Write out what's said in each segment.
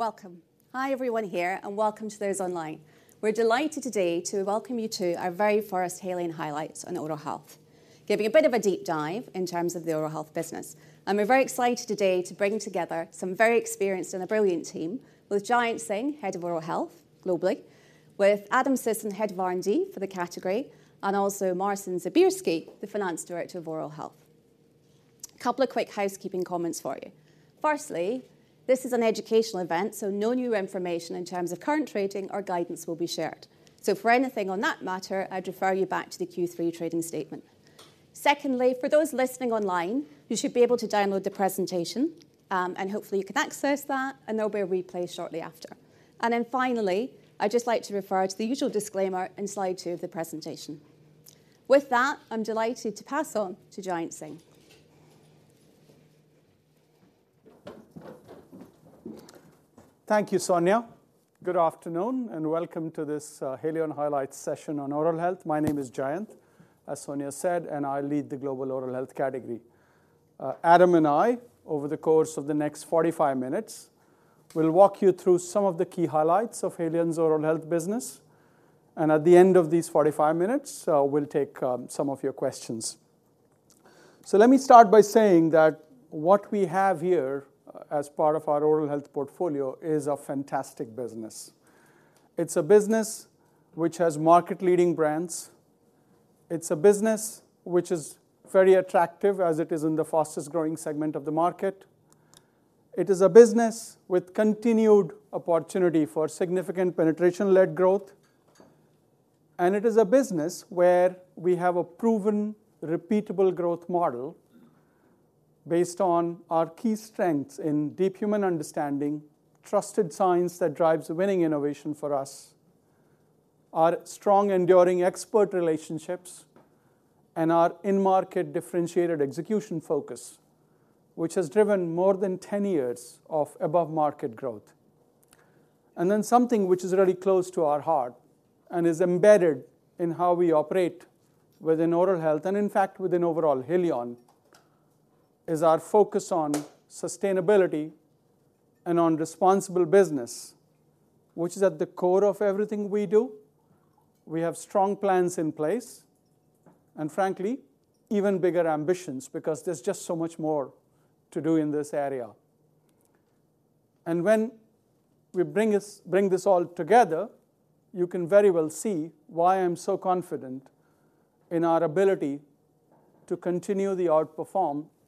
Welcome! Hi, everyone here, and welcome to those online. We're delighted today to welcome you to our very first Haleon Highlights on oral health, giving a bit of a deep dive in terms of the oral health business. We're very excited today to bring together some very experienced and a brilliant team, with Jayant Singh, Head of Oral Health globally, with Adam Sisson, Head of R&D for the category, and also Marcin Zbierski, the Finance Director of Oral Health. Couple of quick housekeeping comments for you. Firstly, this is an educational event, so no new information in terms of current trading or guidance will be shared. So for anything on that matter, I'd refer you back to the Q3 trading statement. Secondly, for those listening online, you should be able to download the presentation, and hopefully you can access that, and there'll be a replay shortly after. And then finally, I'd just like to refer to the usual disclaimer in slide 2 of the presentation. With that, I'm delighted to pass on to Jayant Singh. Thank you, Sonya. Good afternoon, and welcome to this Haleon Highlights session on oral health. My name is Jayant, as Sonya said, and I lead the Global Oral Health category. Adam and I, over the course of the next 45 minutes, will walk you through some of the key highlights of Haleon's oral health business, and at the end of these 45 minutes, we'll take some of your questions. So let me start by saying that what we have here, as part of our oral health portfolio, is a fantastic business. It's a business which has market-leading brands. It's a business which is very attractive, as it is in the fastest-growing segment of the market. It is a business with continued opportunity for significant penetration-led growth. It is a business where we have a proven, repeatable growth model based on our key strengths in deep human understanding, trusted science that drives winning innovation for us, our strong, enduring expert relationships, and our in-market differentiated execution focus, which has driven more than 10 years of above-market growth. Then something which is really close to our heart and is embedded in how we operate within oral health, and in fact, within overall Haleon, is our focus on sustainability and on responsible business, which is at the core of everything we do. We have strong plans in place and frankly, even bigger ambitions, because there's just so much more to do in this area. When we bring this all together, you can very well see why I'm so confident in our ability to continue the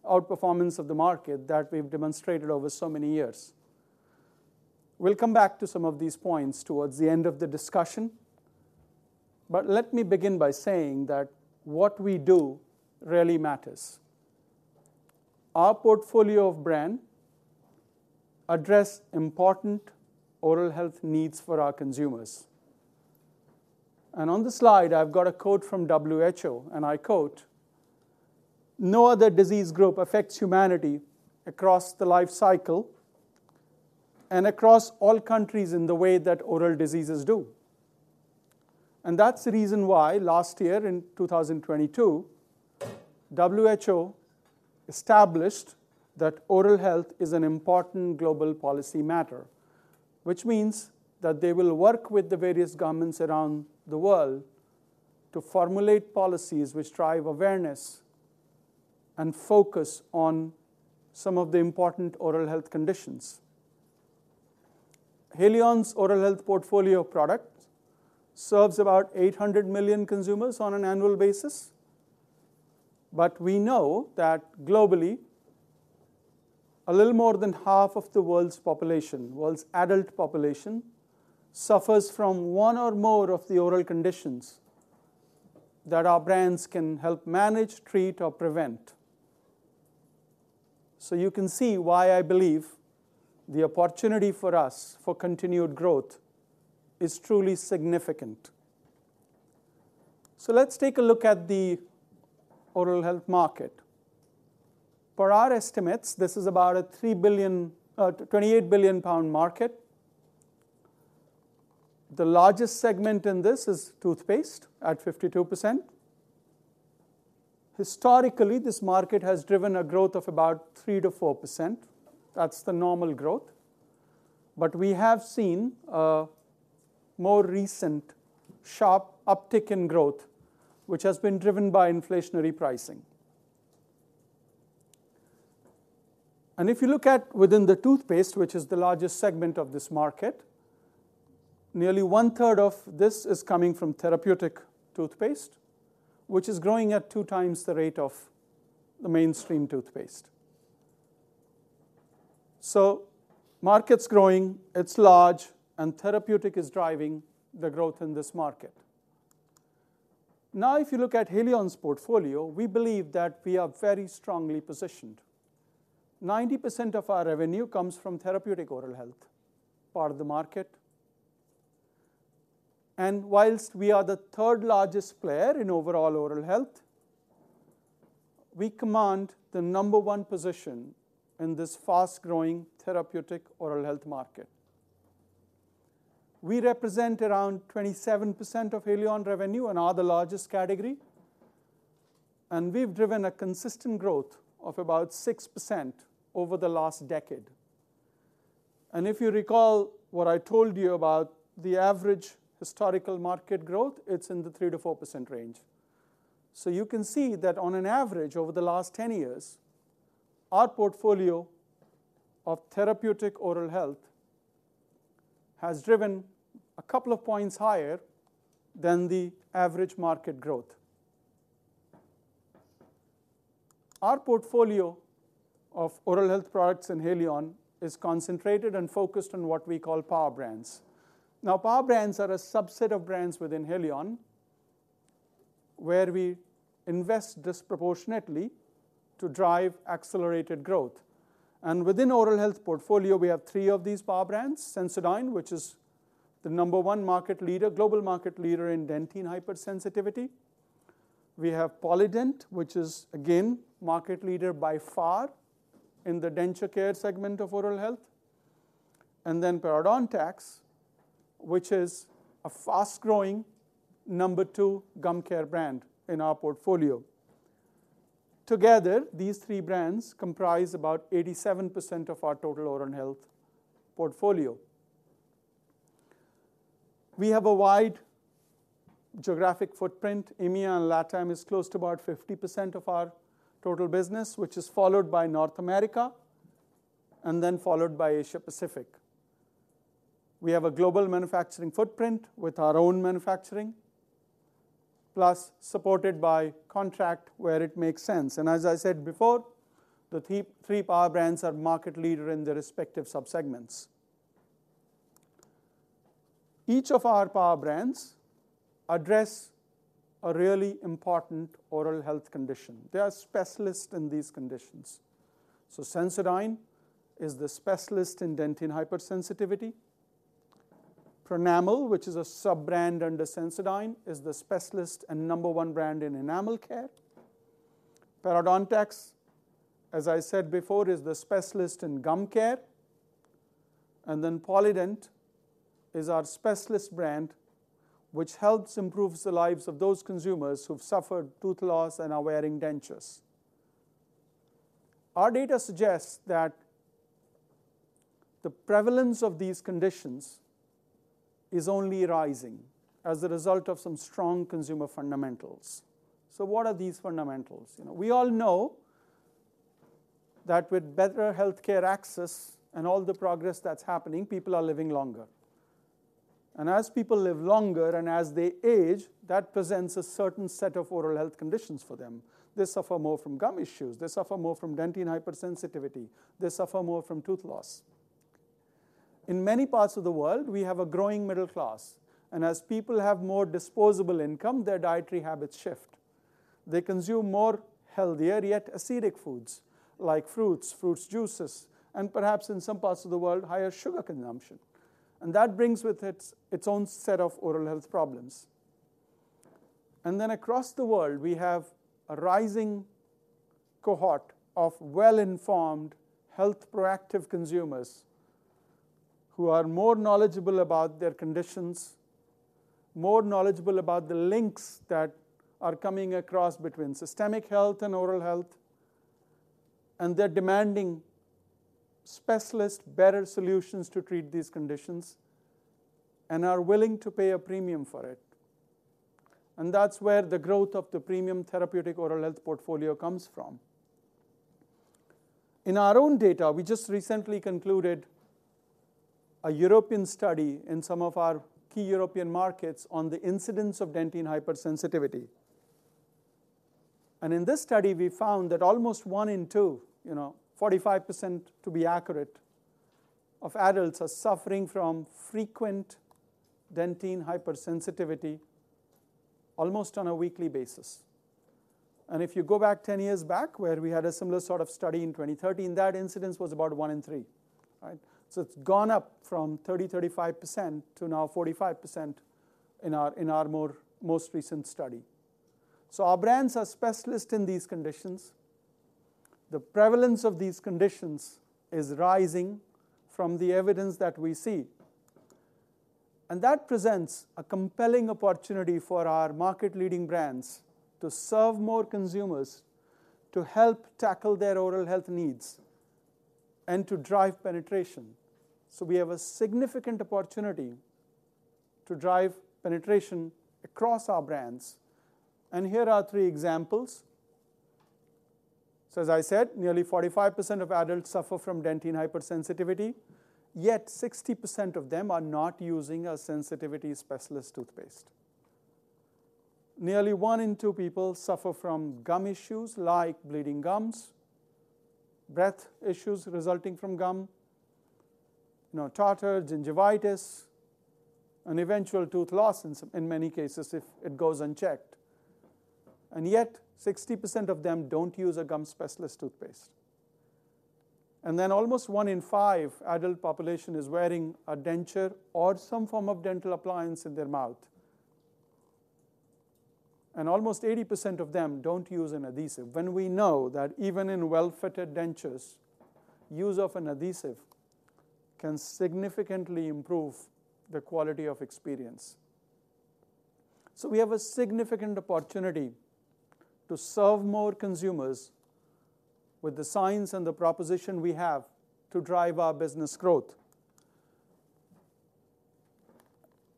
outperformance of the market that we've demonstrated over so many years. We'll come back to some of these points toward the end of the discussion, but let me begin by saying that what we do really matters. Our portfolio of brand address important oral health needs for our consumers. On the slide, I've got a quote from WHO, and I quote: "No other disease group affects humanity across the life cycle and across all countries in the way that oral diseases do." That's the reason why last year, in 2022, WHO established that oral health is an important global policy matter, which means that they will work with the various governments around the world to formulate policies which drive awareness and focus on some of the important oral health conditions. Haleon's oral health portfolio product serves about 800 million consumers on an annual basis. We know that globally, a little more than half of the world's population, world's adult population, suffers from one or more of the oral conditions that our brands can help manage, treat, or prevent. So you can see why I believe the opportunity for us for continued growth is truly significant. So let's take a look at the oral health market. Per our estimates, this is about a 3 billion, 28 billion market. The largest segment in this is toothpaste, at 52%. Historically, this market has driven a growth of about 3%-4%. That's the normal growth. But we have seen a more recent sharp uptick in growth, which has been driven by inflationary pricing. And if you look at within the toothpaste, which is the largest segment of this market, nearly one-third of this is coming from therapeutic toothpaste, which is growing at 2 times the rate of the mainstream toothpaste. So market's growing, it's large, and therapeutic is driving the growth in this market. Now, if you look at Haleon's portfolio, we believe that we are very strongly positioned. 90% of our revenue comes from therapeutic oral health part of the market. While we are the third largest player in overall oral health, we command the number one position in this fast-growing therapeutic oral health market... We represent around 27% of Haleon revenue and are the largest category, and we've driven a consistent growth of about 6% over the last decade. If you recall what I told you about the average historical market growth, it's in the 3%-4% range. You can see that on an average, over the last 10 years, our portfolio of therapeutic oral health has driven a couple of points higher than the average market growth. Our portfolio of oral health products in Haleon is concentrated and focused on what we call power brands. Now, power brands are a subset of brands within Haleon, where we invest disproportionately to drive accelerated growth. Within oral health portfolio, we have 3 of these power brands: Sensodyne, which is the number one market leader, global market leader in dentine hypersensitivity. We have Polident, which is, again, market leader by far in the denture care segment of oral health, and then Parodontax, which is a fast-growing number two gum care brand in our portfolio. Together, these 3 brands comprise about 87% of our total oral health portfolio. We have a wide geographic footprint. EMEA and LATAM is close to about 50% of our total business, which is followed by North America, and then followed by Asia-Pacific. We have a global manufacturing footprint with our own manufacturing, plus supported by contract where it makes sense. And as I said before, the three power brands are market leader in their respective subsegments. Each of our power brands address a really important oral health condition. They are specialists in these conditions. So Sensodyne is the specialist in dentine hypersensitivity. Pronamel, which is a sub-brand under Sensodyne, is the specialist and number one brand in enamel care. Parodontax, as I said before, is the specialist in gum care, and then Polident is our specialist brand, which helps improves the lives of those consumers who've suffered tooth loss and are wearing dentures. Our data suggests that the prevalence of these conditions is only rising as a result of some strong consumer fundamentals. So what are these fundamentals? You know, we all know that with better healthcare access and all the progress that's happening, people are living longer. As people live longer, and as they age, that presents a certain set of oral health conditions for them. They suffer more from gum issues, they suffer more from dentine hypersensitivity, they suffer more from tooth loss. In many parts of the world, we have a growing middle class, and as people have more disposable income, their dietary habits shift. They consume more healthier, yet acidic foods like fruits, fruit juices, and perhaps in some parts of the world, higher sugar consumption. And that brings with it its own set of oral health problems. And then across the world, we have a rising cohort of well-informed, health-proactive consumers, who are more knowledgeable about their conditions, more knowledgeable about the links that are coming across between systemic health and oral health, and they're demanding specialist, better solutions to treat these conditions and are willing to pay a premium for it. And that's where the growth of the premium therapeutic oral health portfolio comes from. In our own data, we just recently concluded a European study in some of our key European markets on the incidence of dentine hypersensitivity. And in this study, we found that almost one in two, you know, 45%, to be accurate, of adults are suffering from frequent dentine hypersensitivity almost on a weekly basis. If you go back 10 years, where we had a similar sort of study in 2013, that incidence was about 1 in 3, right? So it's gone up from 30-35% to now 45% in our most recent study. So our brands are specialist in these conditions. The prevalence of these conditions is rising from the evidence that we see, and that presents a compelling opportunity for our market-leading brands to serve more consumers, to help tackle their oral health needs, and to drive penetration. So we have a significant opportunity to drive penetration across our brands, and here are three examples. So as I said, nearly 45% of adults suffer from dentine hypersensitivity, yet 60% of them are not using a sensitivity specialist toothpaste. Nearly 1 in 2 people suffer from gum issues like bleeding gums, breath issues resulting from gum, you know, tartar, gingivitis, and eventual tooth loss in many cases, if it goes unchecked, and yet 60% of them don't use a gum specialist toothpaste. Then almost 1 in 5 adult population is wearing a denture or some form of dental appliance in their mouth, and almost 80% of them don't use an adhesive, when we know that even in well-fitted dentures, use of an adhesive can significantly improve the quality of experience. So we have a significant opportunity to serve more consumers with the science and the proposition we have to drive our business growth.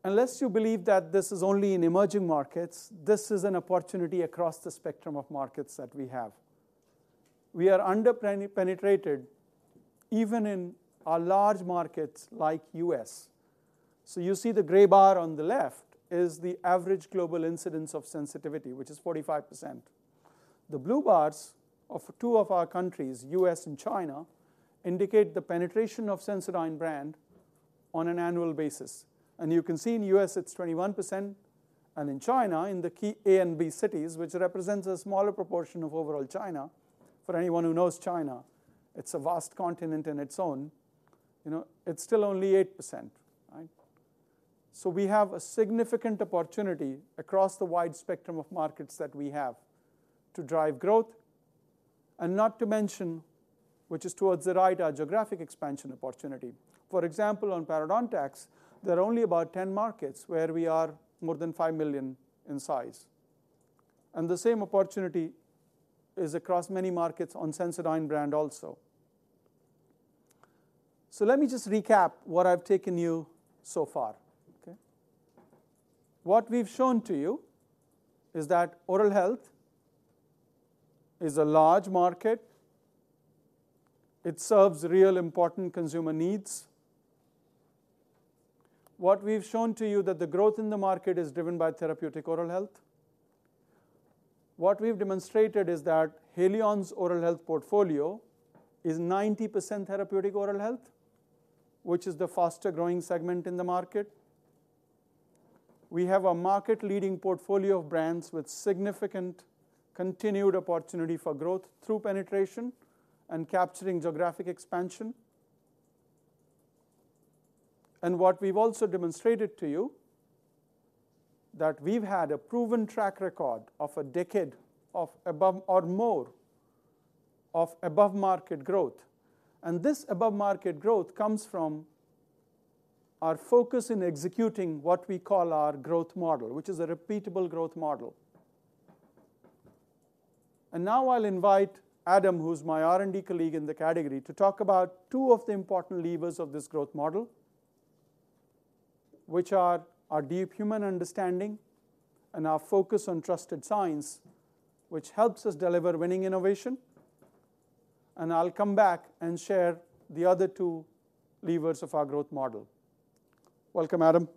Unless you believe that this is only in emerging markets, this is an opportunity across the spectrum of markets that we have. We are underpenetrated, even in our large markets like U.S. So you see the gray bar on the left is the average global incidence of sensitivity, which is 45%. The blue bars of two of our countries, U.S. and China, indicate the penetration of Sensodyne brand on an annual basis. And you can see in the U.S., it's 21%, and in China, in the key A and B cities, which represents a smaller proportion of overall China, for anyone who knows China, it's a vast continent in its own, you know, it's still only 8%, right? So we have a significant opportunity across the wide spectrum of markets that we have to drive growth and not to mention, which is towards the right, our geographic expansion opportunity. For example, on Parodontax, there are only about 10 markets where we are more than 5 million in size. And the same opportunity is across many markets on Sensodyne brand also. So let me just recap what I've taken you so far, okay? What we've shown to you is that oral health is a large market. It serves real important consumer needs. What we've shown to you that the growth in the market is driven by therapeutic oral health. What we've demonstrated is that Haleon's oral health portfolio is 90% therapeutic oral health, which is the fastest-growing segment in the market. We have a market-leading portfolio of brands with significant continued opportunity for growth through penetration and capturing geographic expansion. And what we've also demonstrated to you, that we've had a proven track record of a decade of above or more of above-market growth. This above-market growth comes from our focus in executing what we call our growth model, which is a repeatable growth model. Now I'll invite Adam, who's my R&D colleague in the category, to talk about two of the important levers of this growth model, which are our deep human understanding and our focus on trusted science, which helps us deliver winning innovation. I'll come back and share the other two levers of our growth model. Welcome, Adam.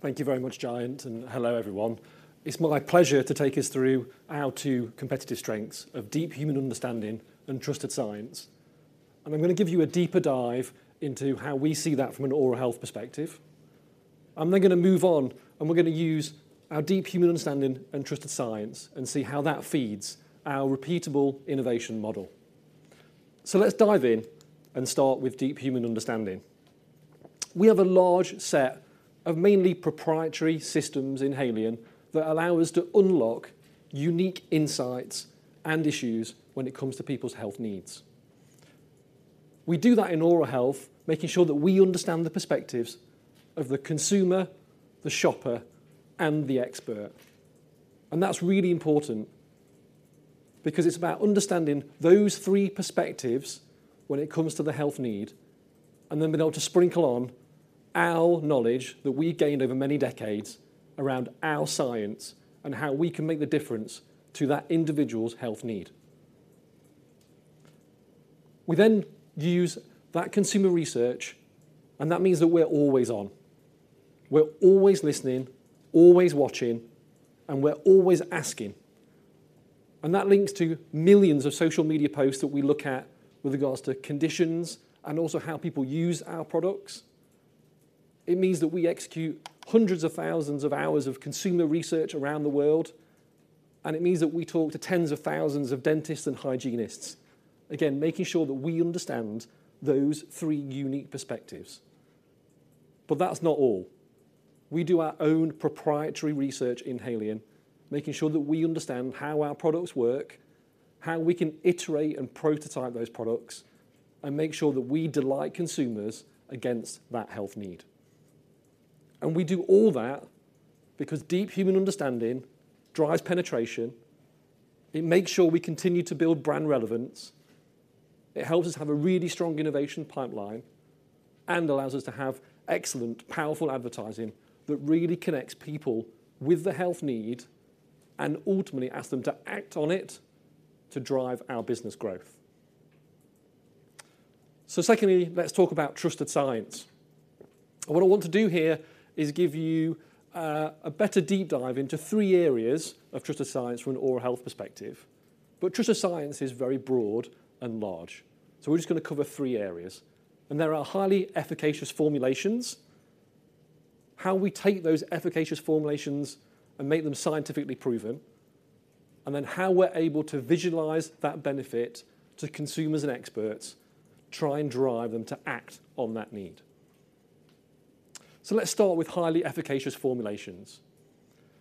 Thank you very much, Jayant, and hello, everyone. It's my pleasure to take us through our two competitive strengths of deep human understanding and trusted science. I'm gonna give you a deeper dive into how we see that from an oral health perspective. I'm then gonna move on, and we're gonna use our deep human understanding and trusted science and see how that feeds our repeatable innovation model. Let's dive in and start with deep human understanding. We have a large set of mainly proprietary systems in Haleon that allow us to unlock unique insights and issues when it comes to people's health needs. We do that in oral health, making sure that we understand the perspectives of the consumer, the shopper, and the expert. That's really important because it's about understanding those three perspectives when it comes to the health need, and then being able to sprinkle on our knowledge that we gained over many decades around our science and how we can make the difference to that individual's health need. We then use that consumer research, and that means that we're always on. We're always listening, always watching, and we're always asking. That links to millions of social media posts that we look at with regards to conditions and also how people use our products. It means that we execute hundreds of thousands of hours of consumer research around the world, and it means that we talk to tens of thousands of dentists and hygienists. Again, making sure that we understand those three unique perspectives. That's not all. We do our own proprietary research in Haleon, making sure that we understand how our products work, how we can iterate and prototype those products, and make sure that we delight consumers against that health need. And we do all that because deep human understanding drives penetration, it makes sure we continue to build brand relevance, it helps us have a really strong innovation pipeline, and allows us to have excellent, powerful advertising that really connects people with the health need and ultimately ask them to act on it to drive our business growth. So secondly, let's talk about trusted science. And what I want to do here is give you a better deep dive into three areas of trusted science from an oral health perspective. But trusted science is very broad and large, so we're just gonna cover three areas. There are highly efficacious formulations, how we take those efficacious formulations and make them scientifically proven... and then how we're able to visualize that benefit to consumers and experts, try and drive them to act on that need. So let's start with highly efficacious formulations.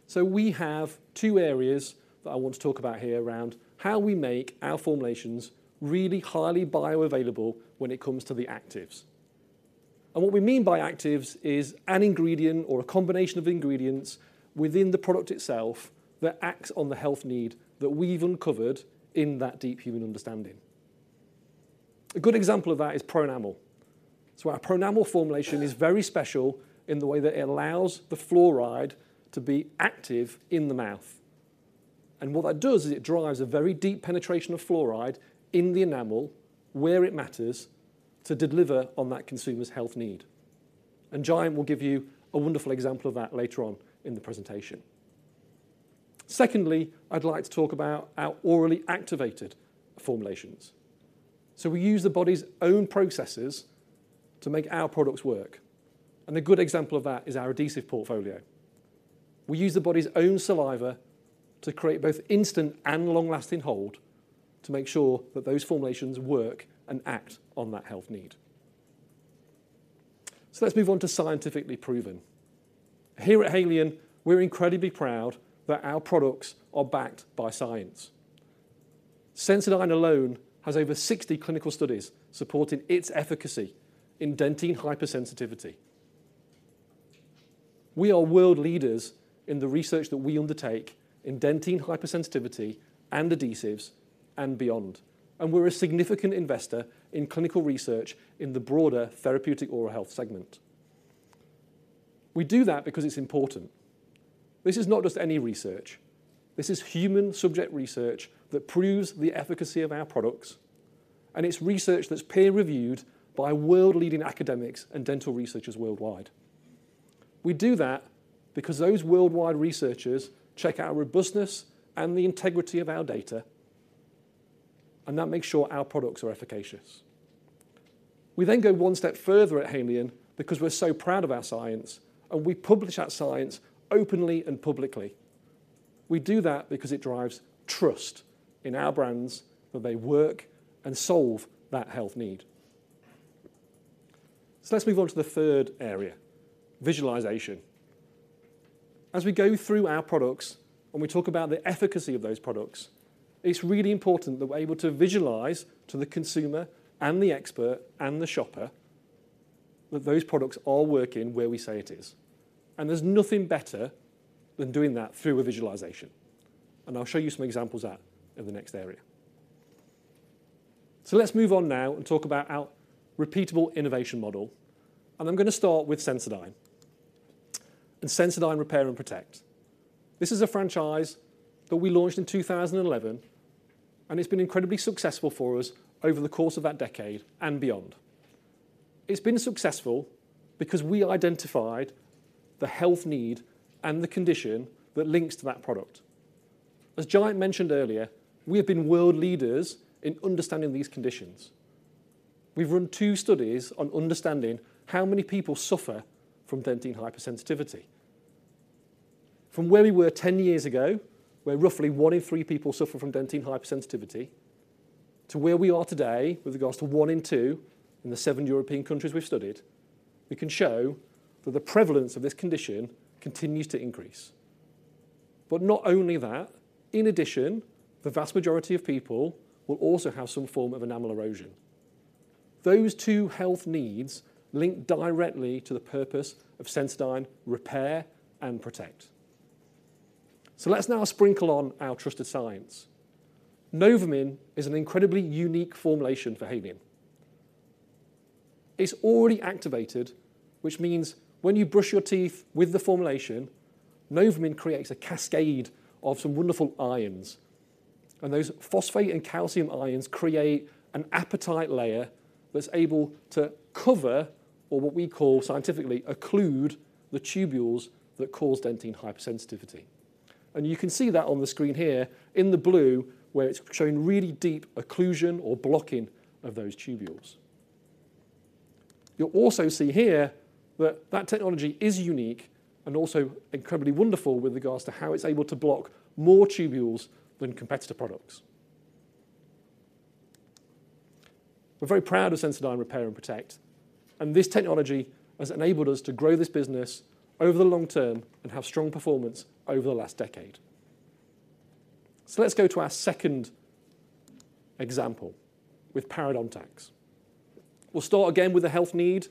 So we have two areas that I want to talk about here around how we make our formulations really highly bioavailable when it comes to the actives. And what we mean by actives is an ingredient or a combination of ingredients within the product itself that acts on the health need that we've uncovered in that deep human understanding. A good example of that is Pronamel. So our Pronamel formulation is very special in the way that it allows the fluoride to be active in the mouth. What that does is it drives a very deep penetration of fluoride in the enamel, where it matters, to deliver on that consumer's health need. Jayant will give you a wonderful example of that later on in the presentation. Secondly, I'd like to talk about our orally activated formulations. We use the body's own processes to make our products work, and a good example of that is our adhesive portfolio. We use the body's own saliva to create both instant and long-lasting hold to make sure that those formulations work and act on that health need. Let's move on to scientifically proven. Here at Haleon, we're incredibly proud that our products are backed by science. Sensodyne alone has over 60 clinical studies supporting its efficacy in dentine hypersensitivity. We are world leaders in the research that we undertake in dentine hypersensitivity and adhesives and beyond, and we're a significant investor in clinical research in the broader therapeutic oral health segment. We do that because it's important. This is not just any research. This is human subject research that proves the efficacy of our products, and it's research that's peer-reviewed by world-leading academics and dental researchers worldwide. We do that because those worldwide researchers check our robustness and the integrity of our data, and that makes sure our products are efficacious. We then go one step further at Haleon because we're so proud of our science, and we publish that science openly and publicly. We do that because it drives trust in our brands, that they work and solve that health need. So let's move on to the third area, visualization. As we go through our products and we talk about the efficacy of those products, it's really important that we're able to visualize to the consumer and the expert and the shopper, that those products are working where we say it is. And there's nothing better than doing that through a visualization, and I'll show you some examples of that in the next area. So let's move on now and talk about our repeatable innovation model, and I'm gonna start with Sensodyne and Sensodyne Repair and Protect. This is a franchise that we launched in 2011, and it's been incredibly successful for us over the course of that decade and beyond. It's been successful because we identified the health need and the condition that links to that product. As Jayant mentioned earlier, we have been world leaders in understanding these conditions. We've run 2 studies on understanding how many people suffer from dentine hypersensitivity. From where we were 10 years ago, where roughly 1 in 3 people suffer from dentine hypersensitivity, to where we are today, with regards to 1 in 2 in the 7 European countries we've studied, we can show that the prevalence of this condition continues to increase. But not only that, in addition, the vast majority of people will also have some form of enamel erosion. Those two health needs link directly to the purpose of Sensodyne Repair and Protect. So let's now sprinkle on our trusted science. NovaMin is an incredibly unique formulation for Haleon. It's already activated, which means when you brush your teeth with the formulation, NovaMin creates a cascade of some wonderful ions, and those phosphate and calcium ions create an apatite layer that's able to cover, or what we call scientifically, occlude, the tubules that cause dentine hypersensitivity. You can see that on the screen here in the blue, where it's showing really deep occlusion or blocking of those tubules. You'll also see here that that technology is unique and also incredibly wonderful with regards to how it's able to block more tubules than competitor products. We're very proud of Sensodyne Repair and Protect, and this technology has enabled us to grow this business over the long term and have strong performance over the last decade. So let's go to our second example with Parodontax. We'll start again with the health need,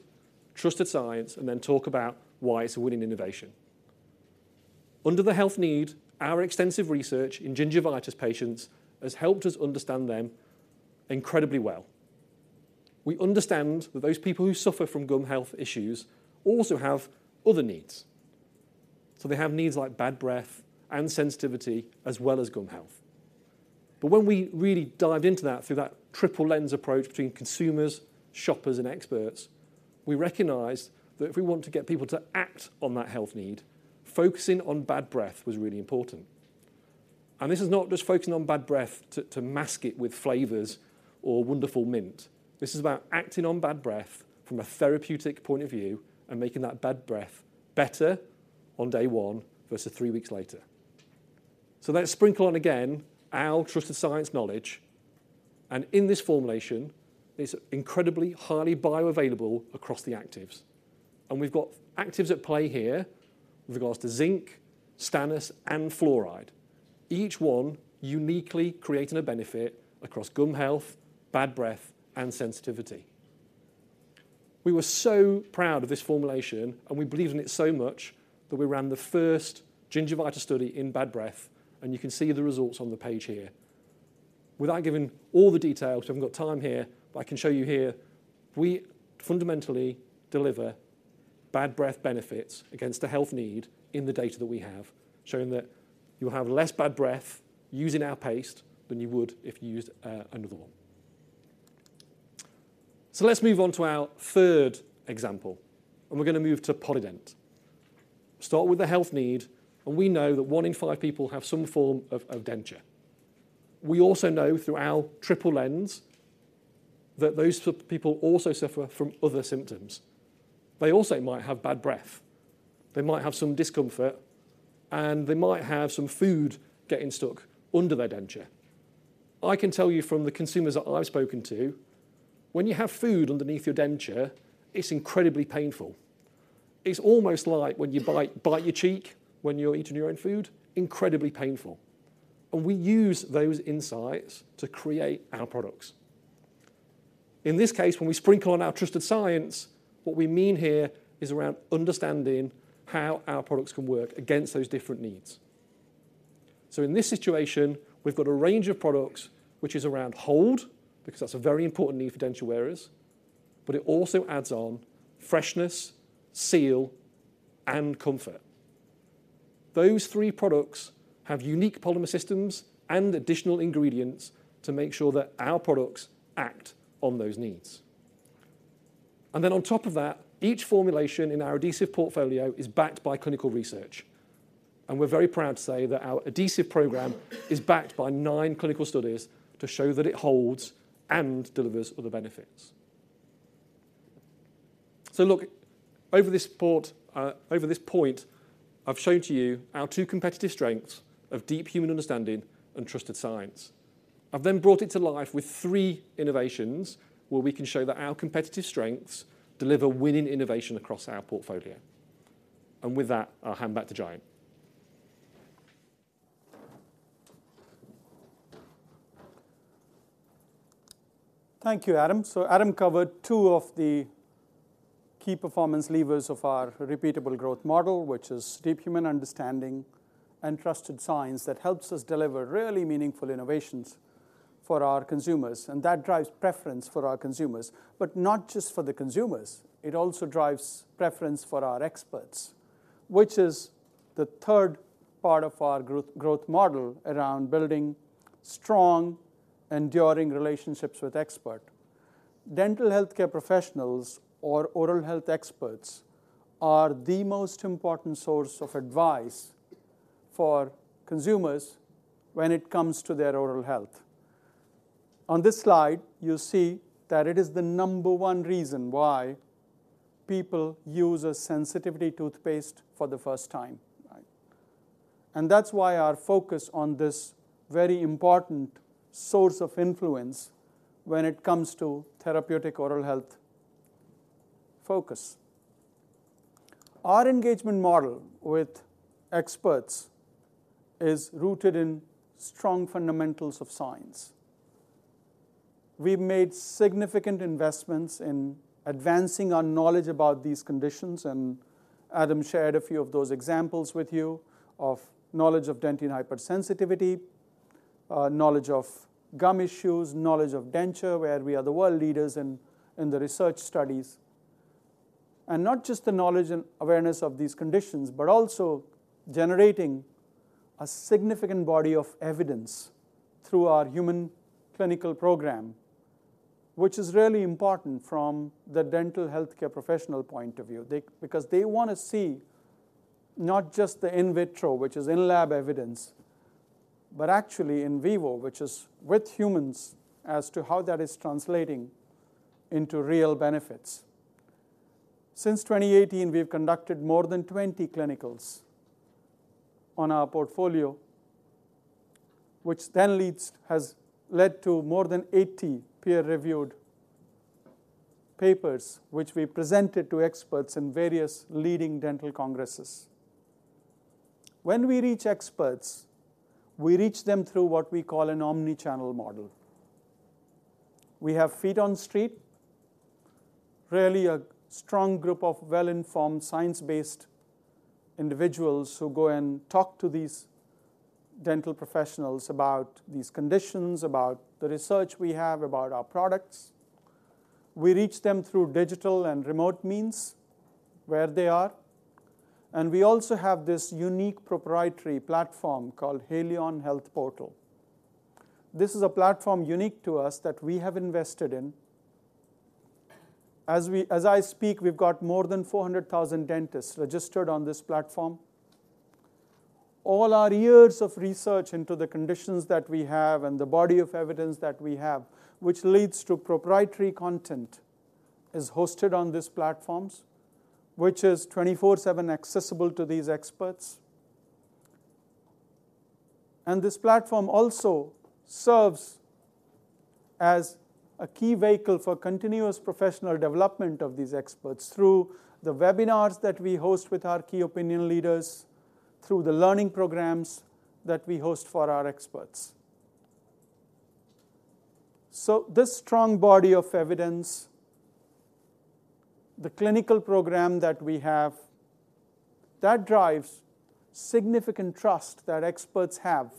trusted science, and then talk about why it's a winning innovation. Under the health need, our extensive research in gingivitis patients has helped us understand them incredibly well. We understand that those people who suffer from gum health issues also have other needs. So they have needs like bad breath and sensitivity, as well as gum health. But when we really dived into that through that triple lens approach between consumers, shoppers, and experts, we recognized that if we want to get people to act on that health need, focusing on bad breath was really important. This is not just focusing on bad breath to mask it with flavors or wonderful mint. This is about acting on bad breath from a therapeutic point of view and making that bad breath better on day 1 versus 3 weeks later. So let's sprinkle on again our trusted science knowledge, and in this formulation, it's incredibly highly bioavailable across the actives. And we've got actives at play here with regards to zinc, stannous, and fluoride. Each one uniquely creating a benefit across gum health, bad breath, and sensitivity. We were so proud of this formulation, and we believed in it so much, that we ran the first gingivitis study in bad breath, and you can see the results on the page here. Without giving all the details, we haven't got time here, but I can show you here, we fundamentally deliver bad breath benefits against the health need in the data that we have, showing that you'll have less bad breath using our paste than you would if you used another one. So let's move on to our third example, and we're gonna move to Polident. Start with the health need, and we know that one in five people have some form of denture. We also know through our triple lens that those people also suffer from other symptoms. They also might have bad breath, they might have some discomfort, and they might have some food getting stuck under their denture. I can tell you from the consumers that I've spoken to, when you have food underneath your denture, it's incredibly painful. It's almost like when you bite your cheek when you're eating your own food, incredibly painful. And we use those insights to create our products. In this case, when we sprinkle on our trusted science, what we mean here is around understanding how our products can work against those different needs. So in this situation, we've got a range of products which is around hold, because that's a very important need for denture wearers, but it also adds on freshness, seal, and comfort. Those three products have unique polymer systems and additional ingredients to make sure that our products act on those needs. And then on top of that, each formulation in our adhesive portfolio is backed by clinical research. And we're very proud to say that our adhesive program is backed by nine clinical studies to show that it holds and delivers other benefits. So look, over this part, over this point, I've shown to you our two competitive strengths of deep human understanding and trusted science. I've then brought it to life with three innovations, where we can show that our competitive strengths deliver winning innovation across our portfolio. And with that, I'll hand back to Jayant. Thank you, Adam. So Adam covered two of the key performance levers of our repeatable growth model, which is deep human understanding and trusted science that helps us deliver really meaningful innovations for our consumers, and that drives preference for our consumers. But not just for the consumers, it also drives preference for our experts, which is the third part of our growth, growth model around building strong, enduring relationships with experts. Dental healthcare professionals or oral health experts are the most important source of advice for consumers when it comes to their oral health. On this slide, you'll see that it is the number one reason why people use a sensitivity toothpaste for the first time, right? And that's why our focus on this very important source of influence when it comes to therapeutic oral health focus. Our engagement model with experts is rooted in strong fundamentals of science. We've made significant investments in advancing our knowledge about these conditions, and Adam shared a few of those examples with you of knowledge of dentine hypersensitivity, knowledge of gum issues, knowledge of denture, where we are the world leaders in the research studies. And not just the knowledge and awareness of these conditions, but also generating a significant body of evidence through our human clinical program, which is really important from the dental healthcare professional point of view. Because they wanna see not just the in vitro, which is in-lab evidence, but actually in vivo, which is with humans, as to how that is translating into real benefits. Since 2018, we've conducted more than 20 clinicals on our portfolio, which then has led to more than 80 peer-reviewed papers, which we presented to experts in various leading dental congresses. When we reach experts, we reach them through what we call an omni-channel model. We have feet on street, really a strong group of well-informed, science-based individuals who go and talk to these dental professionals about these conditions, about the research we have about our products. We reach them through digital and remote means, where they are, and we also have this unique proprietary platform called Haleon Health Portal. This is a platform unique to us that we have invested in. As I speak, we've got more than 400,000 dentists registered on this platform. All our years of research into the conditions that we have and the body of evidence that we have, which leads to proprietary content, is hosted on these platforms, which is 24/7 accessible to these experts. This platform also serves as a key vehicle for continuous professional development of these experts through the webinars that we host with our key opinion leaders, through the learning programs that we host for our experts. This strong body of evidence, the clinical program that we have, that drives significant trust that experts have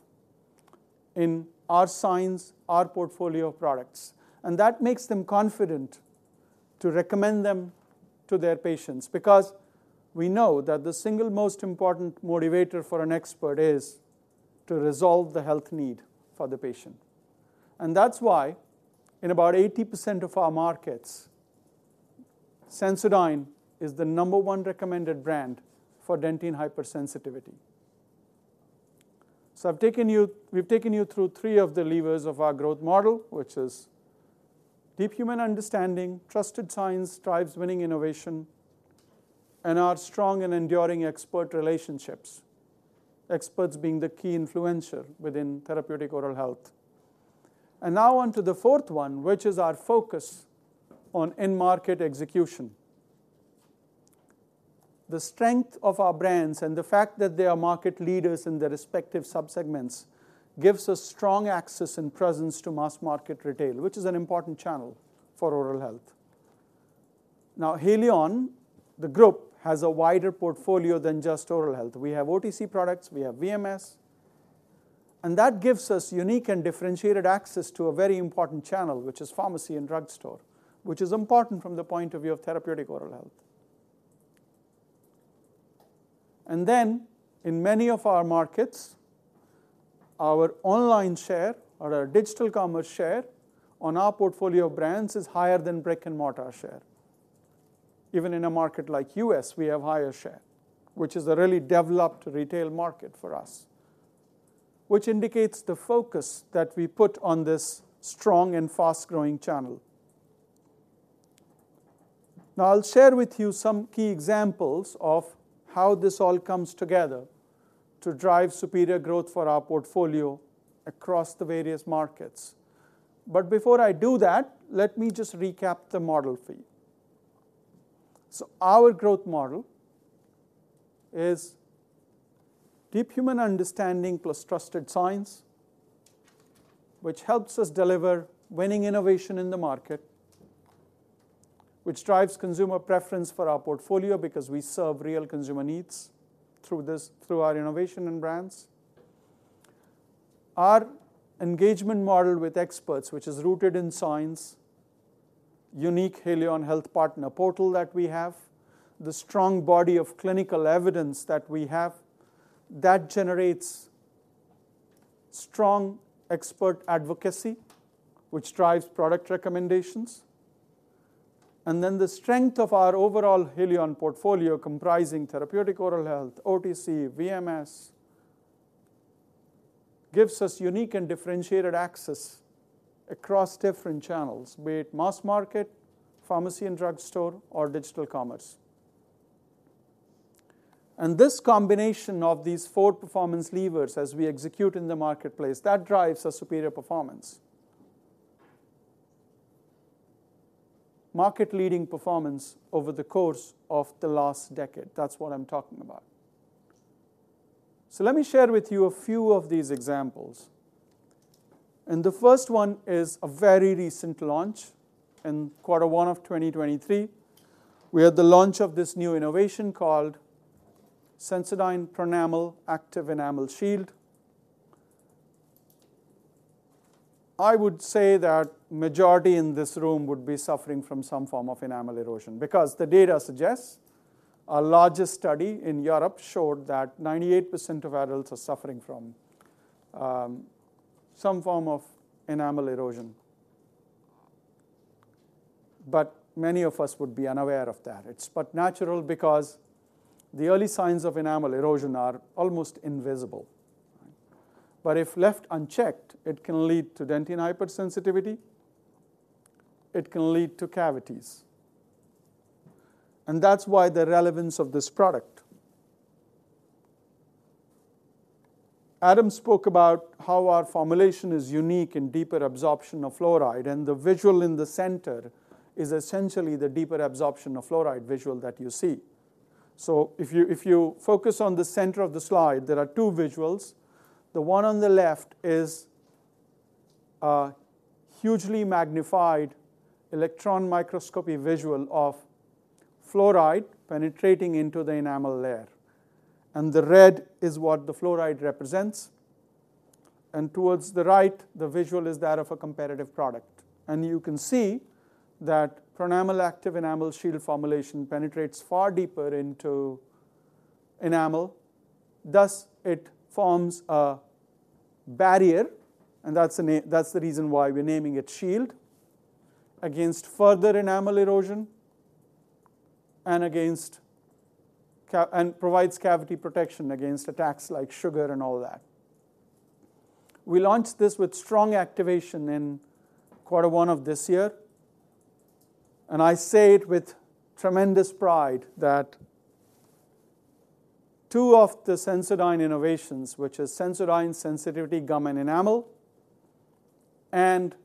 in our science, our portfolio of products, and that makes them confident to recommend them to their patients, because we know that the single most important motivator for an expert is to resolve the health need for the patient. That's why in about 80% of our markets, Sensodyne is the number 1 recommended brand for dentine hypersensitivity. I've taken you—we've taken you through 3 of the levers of our growth model, which is deep human understanding, trusted science drives winning innovation, and our strong and enduring expert relationships. Experts being the key influencer within therapeutic oral health. And now on to the fourth one, which is our focus on in-market execution. The strength of our brands and the fact that they are market leaders in their respective subsegments gives us strong access and presence to mass market retail, which is an important channel for oral health. Now, Haleon, the group, has a wider portfolio than just oral health. We have OTC products, we have VMS, and that gives us unique and differentiated access to a very important channel, which is pharmacy and drugstore, which is important from the point of view of therapeutic oral health. And then in many of our markets, our online share or our digital commerce share on our portfolio of brands is higher than brick-and-mortar share. Even in a market like U.S., we have higher share, which is a really developed retail market for us, which indicates the focus that we put on this strong and fast-growing channel. Now, I'll share with you some key examples of how this all comes together to drive superior growth for our portfolio across the various markets. But before I do that, let me just recap the model for you. So our growth model is deep human understanding plus trusted science, which helps us deliver winning innovation in the market, which drives consumer preference for our portfolio because we serve real consumer needs through this, through our innovation and brands. Our engagement model with experts, which is rooted in science, unique Haleon Health Partner portal that we have, the strong body of clinical evidence that we have, that generates strong expert advocacy, which drives product recommendations. The strength of our overall Haleon portfolio, comprising therapeutic oral health, OTC, VMS, gives us unique and differentiated access across different channels, be it mass market, pharmacy and drugstore, or digital commerce. This combination of these four performance levers as we execute in the marketplace, that drives a superior performance. Market-leading performance over the course of the last decade, that's what I'm talking about. Let me share with you a few of these examples. The first one is a very recent launch. In quarter one of 2023, we had the launch of this new innovation called Sensodyne Pronamel Active Enamel Shield. I would say that majority in this room would be suffering from some form of enamel erosion, because the data suggests a larger study in Europe showed that 98% of adults are suffering from some form of enamel erosion. But many of us would be unaware of that. It's but natural because the early signs of enamel erosion are almost invisible. But if left unchecked, it can lead to dentine hypersensitivity, it can lead to cavities. And that's why the relevance of this product. Adam spoke about how our formulation is unique in deeper absorption of fluoride, and the visual in the center is essentially the deeper absorption of fluoride visual that you see. So if you, if you focus on the center of the slide, there are two visuals. The one on the left is hugely magnified electron microscopy visual of fluoride penetrating into the enamel layer, and the red is what the fluoride represents. And towards the right, the visual is that of a competitive product. You can see that Pronamel Active Enamel Shield formulation penetrates far deeper into enamel, thus it forms a barrier, and that's the reason why we're naming it shield, against further enamel erosion and provides cavity protection against attacks like sugar and all that. We launched this with strong activation in quarter one of this year, and I say it with tremendous pride that two of the Sensodyne innovations, which is Sensodyne Sensitivity, Gum and Enamel, and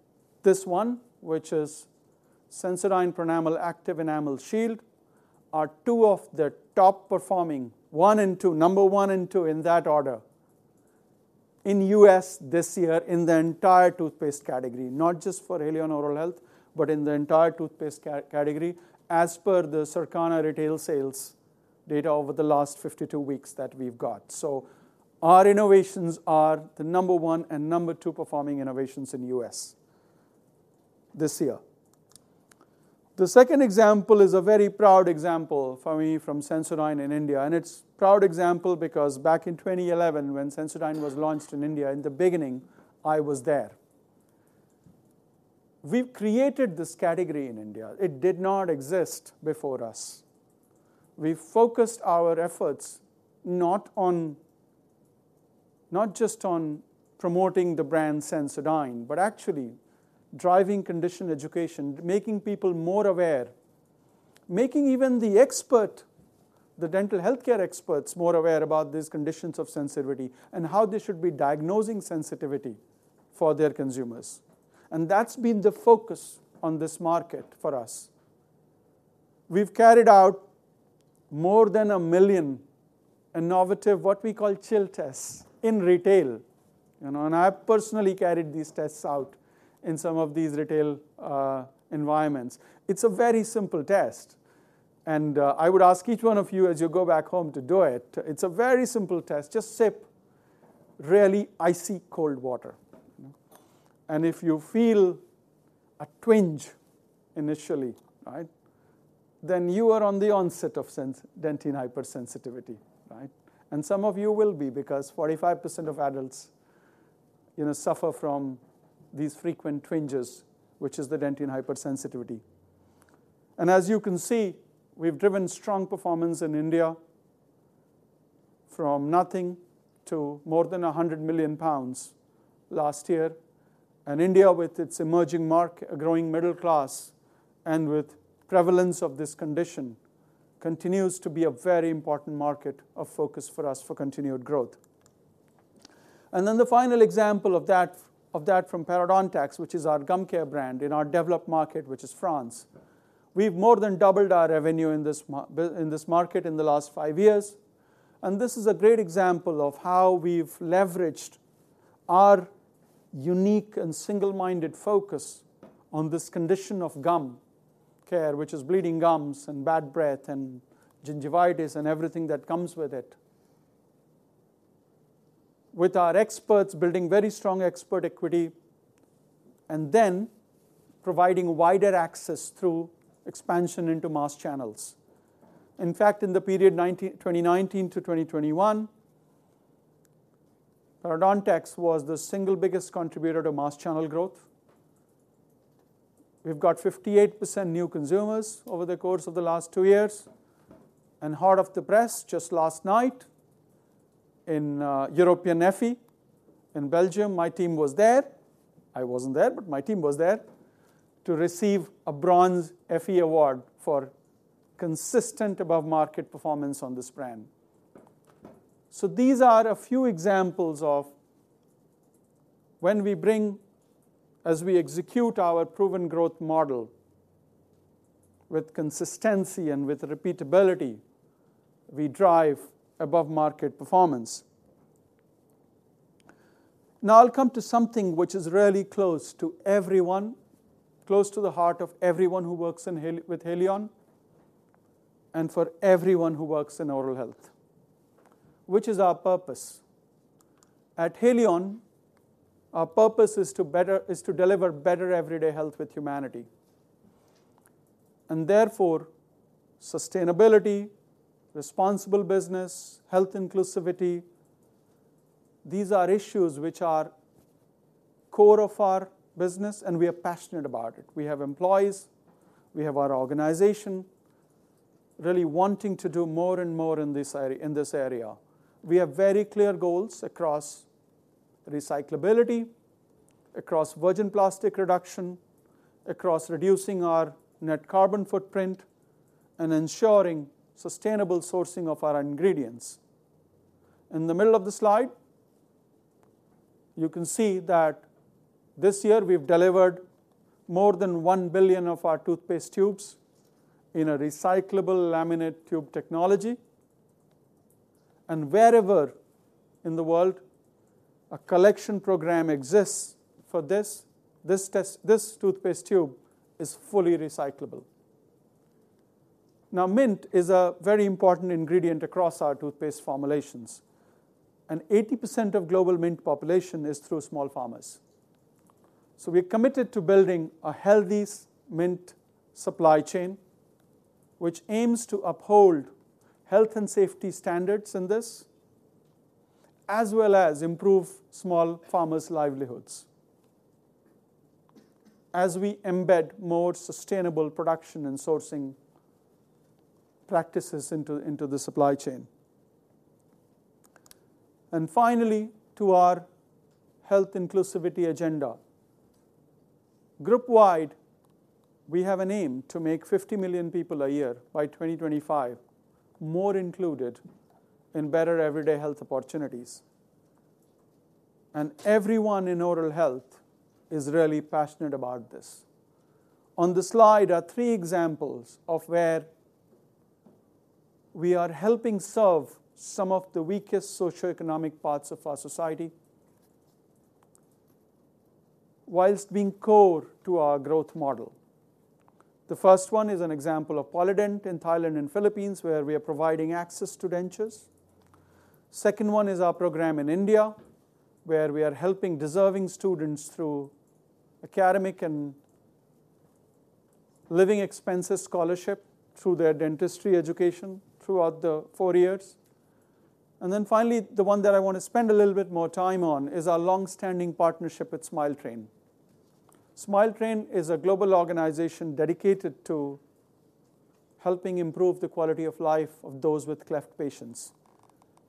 this one, which is Sensodyne Pronamel Active Enamel Shield, are two of the top performing, 1 and 2, number 1 and 2 in that order, in the U.S. this year in the entire toothpaste category. Not just for Haleon Oral Health, but in the entire toothpaste category, as per the Circana retail sales data over the last 52 weeks that we've got. So our innovations are the number one and number two performing innovations in the US this year. The second example is a very proud example for me from Sensodyne in India, and it's a proud example because back in 2011, when Sensodyne was launched in India, in the beginning, I was there. We've created this category in India. It did not exist before us. We focused our efforts not on, not just on promoting the brand Sensodyne, but actually driving condition education, making people more aware, making even the expert, the dental healthcare experts, more aware about these conditions of sensitivity and how they should be diagnosing sensitivity for their consumers. And that's been the focus on this market for us. We've carried out more than 1 million innovative, what we call Chill Tests in retail, you know, and I personally carried these tests out in some of these retail environments. It's a very simple test, and I would ask each one of you as you go back home to do it. It's a very simple test. Just sip really icy cold water, you know? And if you feel a twinge initially, right, then you are on the onset of dentine hypersensitivity, right? And some of you will be, because 45% of adults, you know, suffer from these frequent twinges, which is the dentine hypersensitivity. And as you can see, we've driven strong performance in India from nothing to more than 100 million pounds last year. India, with its emerging market growing middle class and with prevalence of this condition, continues to be a very important market of focus for us for continued growth. Then the final example of that from Parodontax, which is our gum care brand in our developed market, which is France. We've more than doubled our revenue in this market in the last five years, and this is a great example of how we've leveraged our unique and single-minded focus on this condition of gum care, which is bleeding gums and bad breath and gingivitis, and everything that comes with it. With our experts building very strong expert equity and then providing wider access through expansion into mass channels. In fact, in the period 2019 to 2021, Parodontax was the single biggest contributor to mass channel growth. We've got 58% new consumers over the course of the last two years, and hot off the press, just last night in European Effie in Belgium, my team was there. I wasn't there, but my team was there to receive a Bronze Effie Award for consistent above-market performance on this brand. So these are a few examples of when we bring as we execute our proven growth model with consistency and with repeatability, we drive above-market performance. Now, I'll come to something which is really close to everyone, close to the heart of everyone who works in Haleon, and for everyone who works in oral health, which is our purpose. At Haleon, our purpose is to deliver better everyday health with humanity, and therefore, sustainability, responsible business, health inclusivity, these are issues which are core of our business, and we are passionate about it. We have employees, we have our organization really wanting to do more and more in this area. We have very clear goals across recyclability, across virgin plastic reduction, across reducing our net carbon footprint, and ensuring sustainable sourcing of our ingredients. In the middle of the slide, you can see that this year we've delivered more than 1 billion of our toothpaste tubes in a recyclable laminate tube technology, and wherever in the world a collection program exists for this, this toothpaste tube is fully recyclable. Now, mint is a very important ingredient across our toothpaste formulations, and 80% of global mint population is through small farmers. So we're committed to building a healthy sustainable mint supply chain, which aims to uphold health and safety standards in this, as well as improve small farmers' livelihoods, as we embed more sustainable production and sourcing practices into the supply chain. Finally, to our health inclusivity agenda. Group-wide, we have an aim to make 50 million people a year by 2025 more included in better everyday health opportunities. And everyone in oral health is really passionate about this. On the slide are three examples of where we are helping serve some of the weakest socioeconomic parts of our society, while being core to our growth model. The first one is an example of Polident in Thailand and Philippines, where we are providing access to dentures. Second one is our program in India, where we are helping deserving students through academic and living expenses scholarship through their dentistry education throughout the four years. And then finally, the one that I wanna spend a little bit more time on, is our long-standing partnership with Smile Train. Smile Train is a global organization dedicated to helping improve the quality of life of those with cleft patients.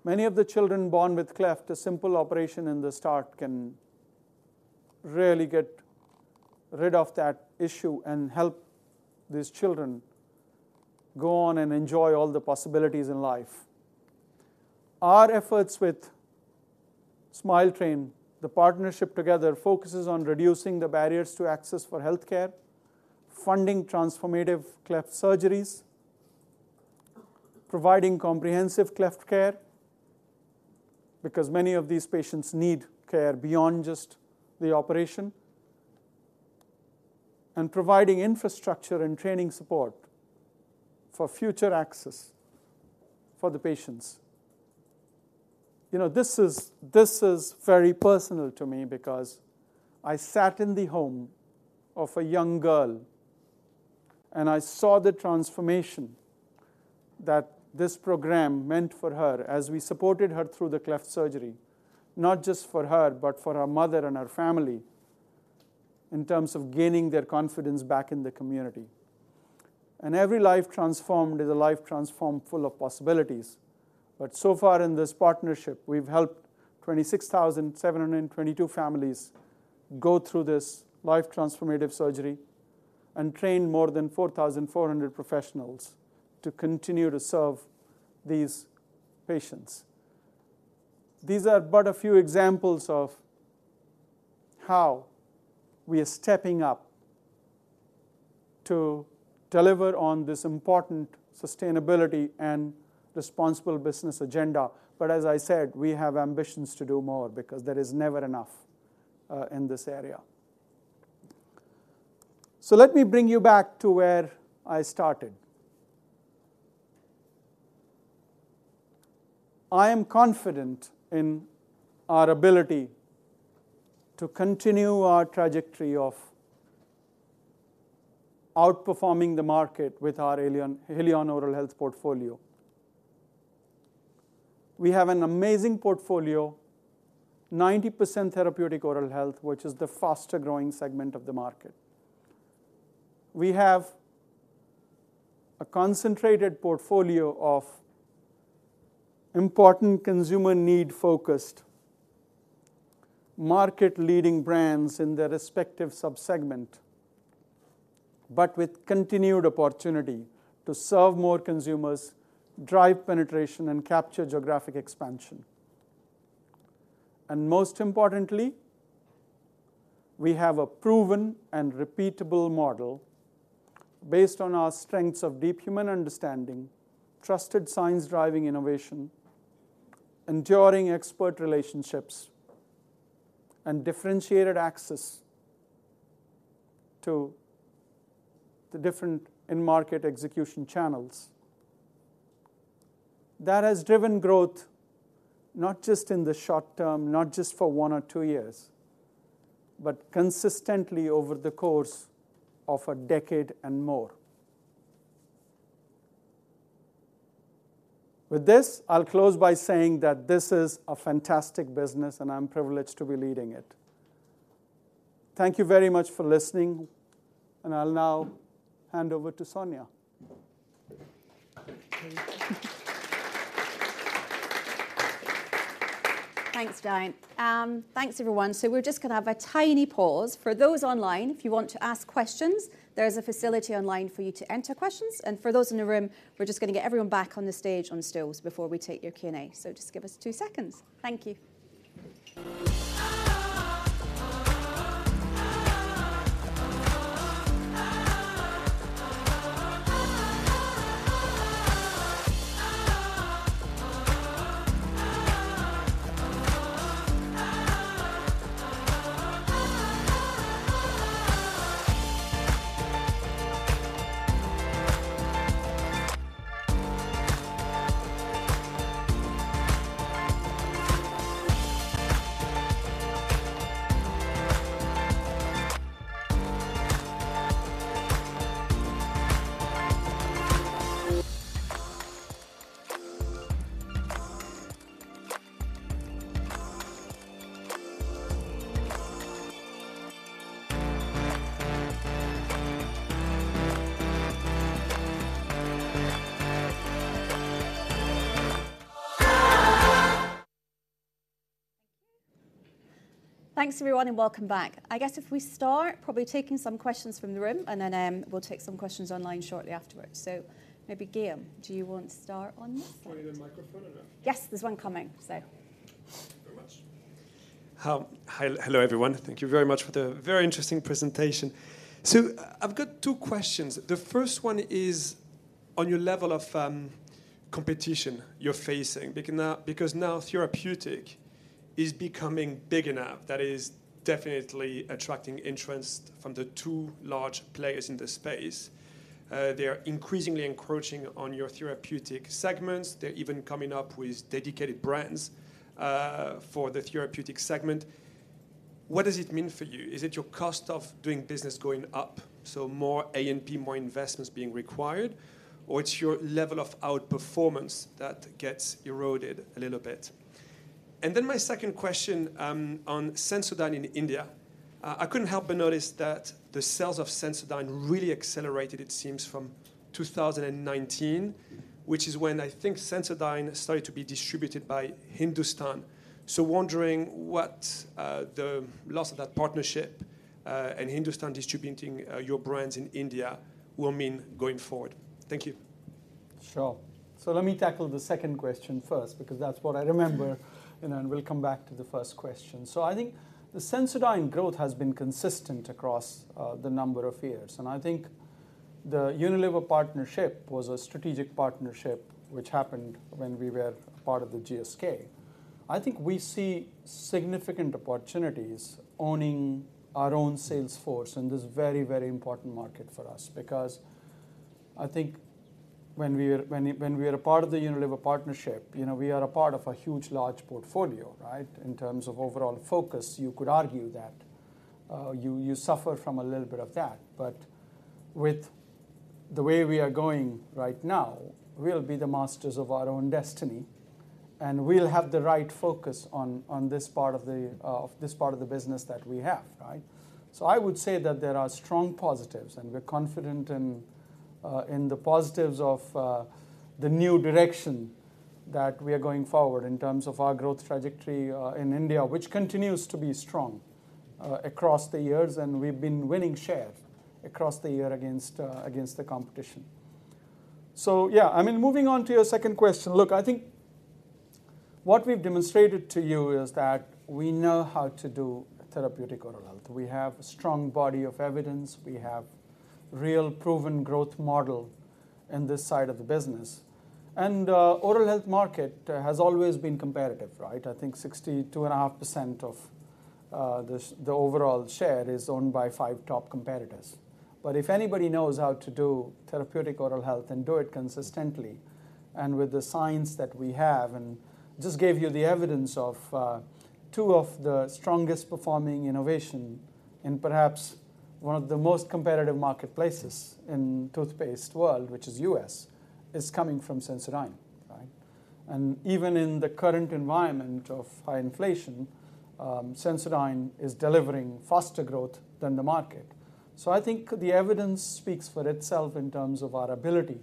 Many of the children born with cleft, a simple operation in the start can really get rid of that issue and help these children go on and enjoy all the possibilities in life. Our efforts with Smile Train, the partnership together focuses on reducing the barriers to access for healthcare, funding transformative cleft surgeries, providing comprehensive cleft care, because many of these patients need care beyond just the operation, and providing infrastructure and training support for future access for the patients. You know, this is, this is very personal to me, because I sat in the home of a young girl, and I saw the transformation that this program meant for her as we supported her through the cleft surgery. Not just for her, but for her mother and her family, in terms of gaining their confidence back in the community. And every life transformed is a life transformed full of possibilities. But so far in this partnership, we've helped 26,722 families go through this life transformative surgery, and train more than 4,400 professionals to continue to serve these patients. These are but a few examples of how we are stepping up to deliver on this important sustainability and responsible business agenda. But as I said, we have ambitions to do more, because there is never enough in this area. So let me bring you back to where I started. I am confident in our ability to continue our trajectory of outperforming the market with our Haleon, Haleon Oral Health portfolio. We have an amazing portfolio, 90% therapeutic oral health, which is the faster growing segment of the market. We have a concentrated portfolio of important consumer need-focused, market leading brands in their respective sub-segment, but with continued opportunity to serve more consumers, drive penetration, and capture geographic expansion. And most importantly, we have a proven and repeatable model based on our strengths of deep human understanding, trusted science driving innovation, enduring expert relationships, and differentiated access to the different end-market execution channels. That has driven growth, not just in the short term, not just for one or two years, but consistently over the course of a decade and more. With this, I'll close by saying that this is a fantastic business, and I'm privileged to be leading it. Thank you very much for listening, and I'll now hand over to Sonya. Thanks, Jayant. Thanks, everyone. So we're just gonna have a tiny pause. For those online, if you want to ask questions, there's a facility online for you to enter questions, and for those in the room, we're just gonna get everyone back on the stage on stools before we take your Q&A. So just give us two seconds. Thank you.... Thank you. Thanks everyone, and welcome back. I guess if we start probably taking some questions from the room, and then we'll take some questions online shortly afterwards. So maybe, Guillaume, do you want to start on this side? Do you need a microphone or no? Yes, there's one coming, so. Thank you very much. Hello, everyone. Thank you very much for the very interesting presentation. So I've got two questions. The first one is on your level of competition you're facing, because now therapeutic is becoming big enough that is definitely attracting interest from the two large players in the space. They are increasingly encroaching on your therapeutic segments. They're even coming up with dedicated brands for the therapeutic segment. What does it mean for you? Is it your cost of doing business going up, so more A&P, more investments being required, or it's your level of outperformance that gets eroded a little bit? And then my second question on Sensodyne in India. I couldn't help but notice that the sales of Sensodyne really accelerated, it seems, from 2019, which is when I think Sensodyne started to be distributed by Hindustan. So wondering what, the loss of that partnership, and Hindustan distributing, your brands in India will mean going forward? Thank you. Sure. So let me tackle the second question first, because that's what I remember, you know, and we'll come back to the first question. So I think the Sensodyne growth has been consistent across the number of years, and I think the Unilever partnership was a strategic partnership, which happened when we were part of the GSK. I think we see significant opportunities owning our own sales force in this very, very important market for us. Because I think when we are a part of the Unilever partnership, you know, we are a part of a huge, large portfolio, right? In terms of overall focus, you could argue that you suffer from a little bit of that. But with the way we are going right now, we'll be the masters of our own destiny, and we'll have the right focus on, on this part of the, this part of the business that we have, right? So I would say that there are strong positives, and we're confident in, in the positives of, the new direction that we are going forward in terms of our growth trajectory, in India, which continues to be strong, across the years, and we've been winning share across the year against, against the competition. So yeah, I mean, moving on to your second question. Look, I think what we've demonstrated to you is that we know how to do therapeutic oral health. We have a strong body of evidence. We have real proven growth model in this side of the business. Oral health market has always been competitive, right? I think 62.5% of the overall share is owned by five top competitors. But if anybody knows how to do therapeutic oral health and do it consistently, and with the science that we have, and just gave you the evidence of two of the strongest performing innovation in perhaps one of the most competitive marketplaces in toothpaste world, which is U.S., is coming from Sensodyne, right? And even in the current environment of high inflation, Sensodyne is delivering faster growth than the market. So I think the evidence speaks for itself in terms of our ability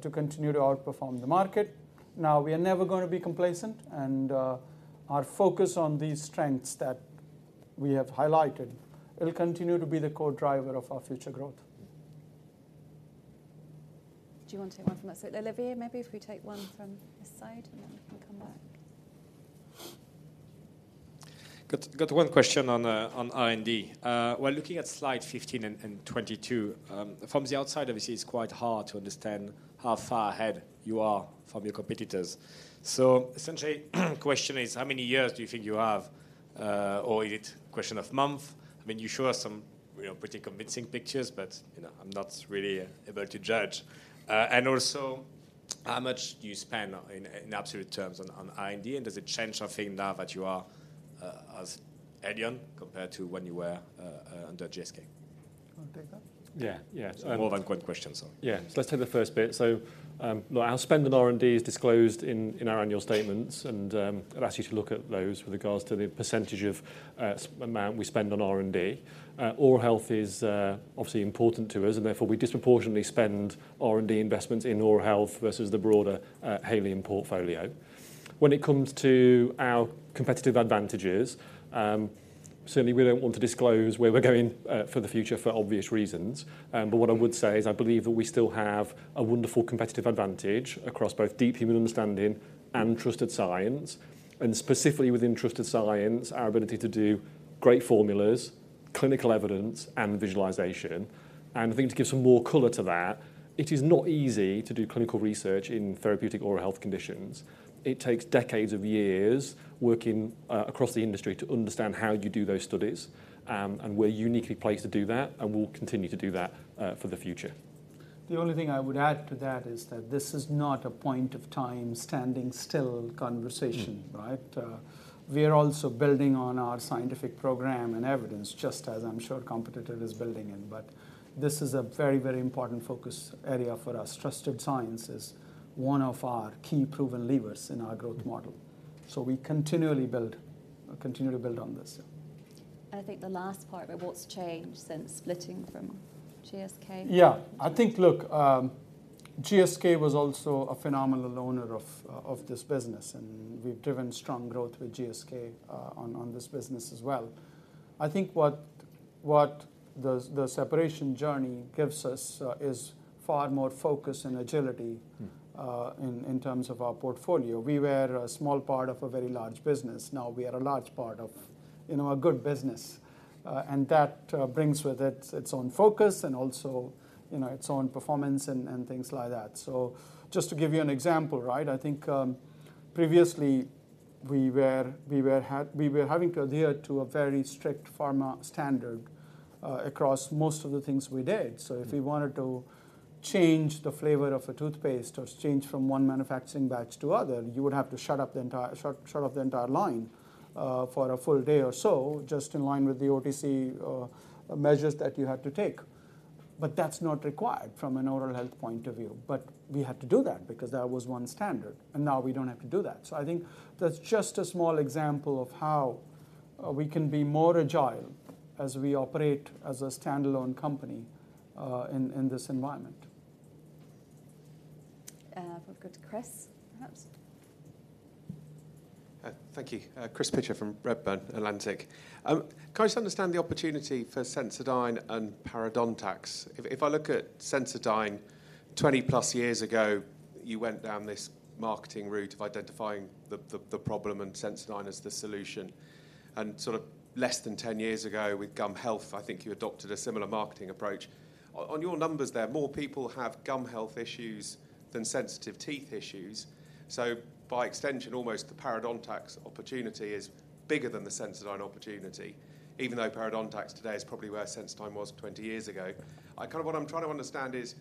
to continue to outperform the market. Now, we are never gonna be complacent, and our focus on these strengths that we have highlighted will continue to be the core driver of our future growth. Do you want to take one from that side? Olivier, maybe if we take one from this side, and then we can come back. Got one question on R&D. We're looking at slide 15 and 22. From the outside, obviously, it's quite hard to understand how far ahead you are from your competitors. So essentially, question is: How many years do you think you have, or is it question of month? I mean, you show us some, you know, pretty convincing pictures, but, you know, I'm not really able to judge. And also, how much do you spend in absolute terms on R&D, and does it change, I think, now that you are as Haleon compared to when you were under GSK? You want to take that? Yeah. Yeah, so- More than one question, sorry. Yeah. Let's take the first bit. So, look, our spend on R&D is disclosed in our annual statements, and I'd ask you to look at those with regards to the percentage of amount we spend on R&D. Oral health is obviously important to us, and therefore, we disproportionately spend R&D investments in oral health versus the broader Haleon portfolio. When it comes to our competitive advantages, certainly, we don't want to disclose where we're going for the future for obvious reasons. But what I would say is, I believe that we still have a wonderful competitive advantage across both deep human understanding and trusted science, and specifically within trusted science, our ability to do great formulas, clinical evidence, and visualization. I think to give some more color to that, it is not easy to do clinical research in therapeutic oral health conditions. It takes decades of years working across the industry to understand how you do those studies. And we're uniquely placed to do that, and we'll continue to do that for the future. The only thing I would add to that is that this is not a point of time standing still conversation- Mm... right? We are also building on our scientific program and evidence, just as I'm sure competitor is building it, but this is a very, very important focus area for us. Trusted science is one of our key proven levers in our growth model. So we continually build on this.... I think the last part about what's changed since splitting from GSK? Yeah. I think, look, GSK was also a phenomenal owner of, of this business, and we've driven strong growth with GSK, on, on this business as well. I think what the separation journey gives us, is far more focus and agility- Mm In terms of our portfolio. We were a small part of a very large business. Now, we are a large part of, you know, a good business. And that brings with it its own focus and also, you know, its own performance and things like that. So just to give you an example, right? I think, previously, we were having to adhere to a very strict pharma standard across most of the things we did. Mm. So if we wanted to change the flavor of a toothpaste or change from one manufacturing batch to other, you would have to shut off the entire line for a full day or so, just in line with the OTC measures that you had to take. But that's not required from an oral health point of view. But we had to do that because that was one standard, and now we don't have to do that. So I think that's just a small example of how we can be more agile as we operate as a standalone company in this environment. We'll go to Chris, perhaps. Thank you. Chris Pitcher from Redburn Atlantic. Can I just understand the opportunity for Sensodyne and Parodontax? If I look at Sensodyne, 20+ years ago, you went down this marketing route of identifying the problem and Sensodyne as the solution. And sort of less than 10 years ago, with gum health, I think you adopted a similar marketing approach. On your numbers there, more people have gum health issues than sensitive teeth issues. So by extension, almost, the Parodontax opportunity is bigger than the Sensodyne opportunity, even though Parodontax today is probably where Sensodyne was 20 years ago. Kind of what I'm trying to understand is,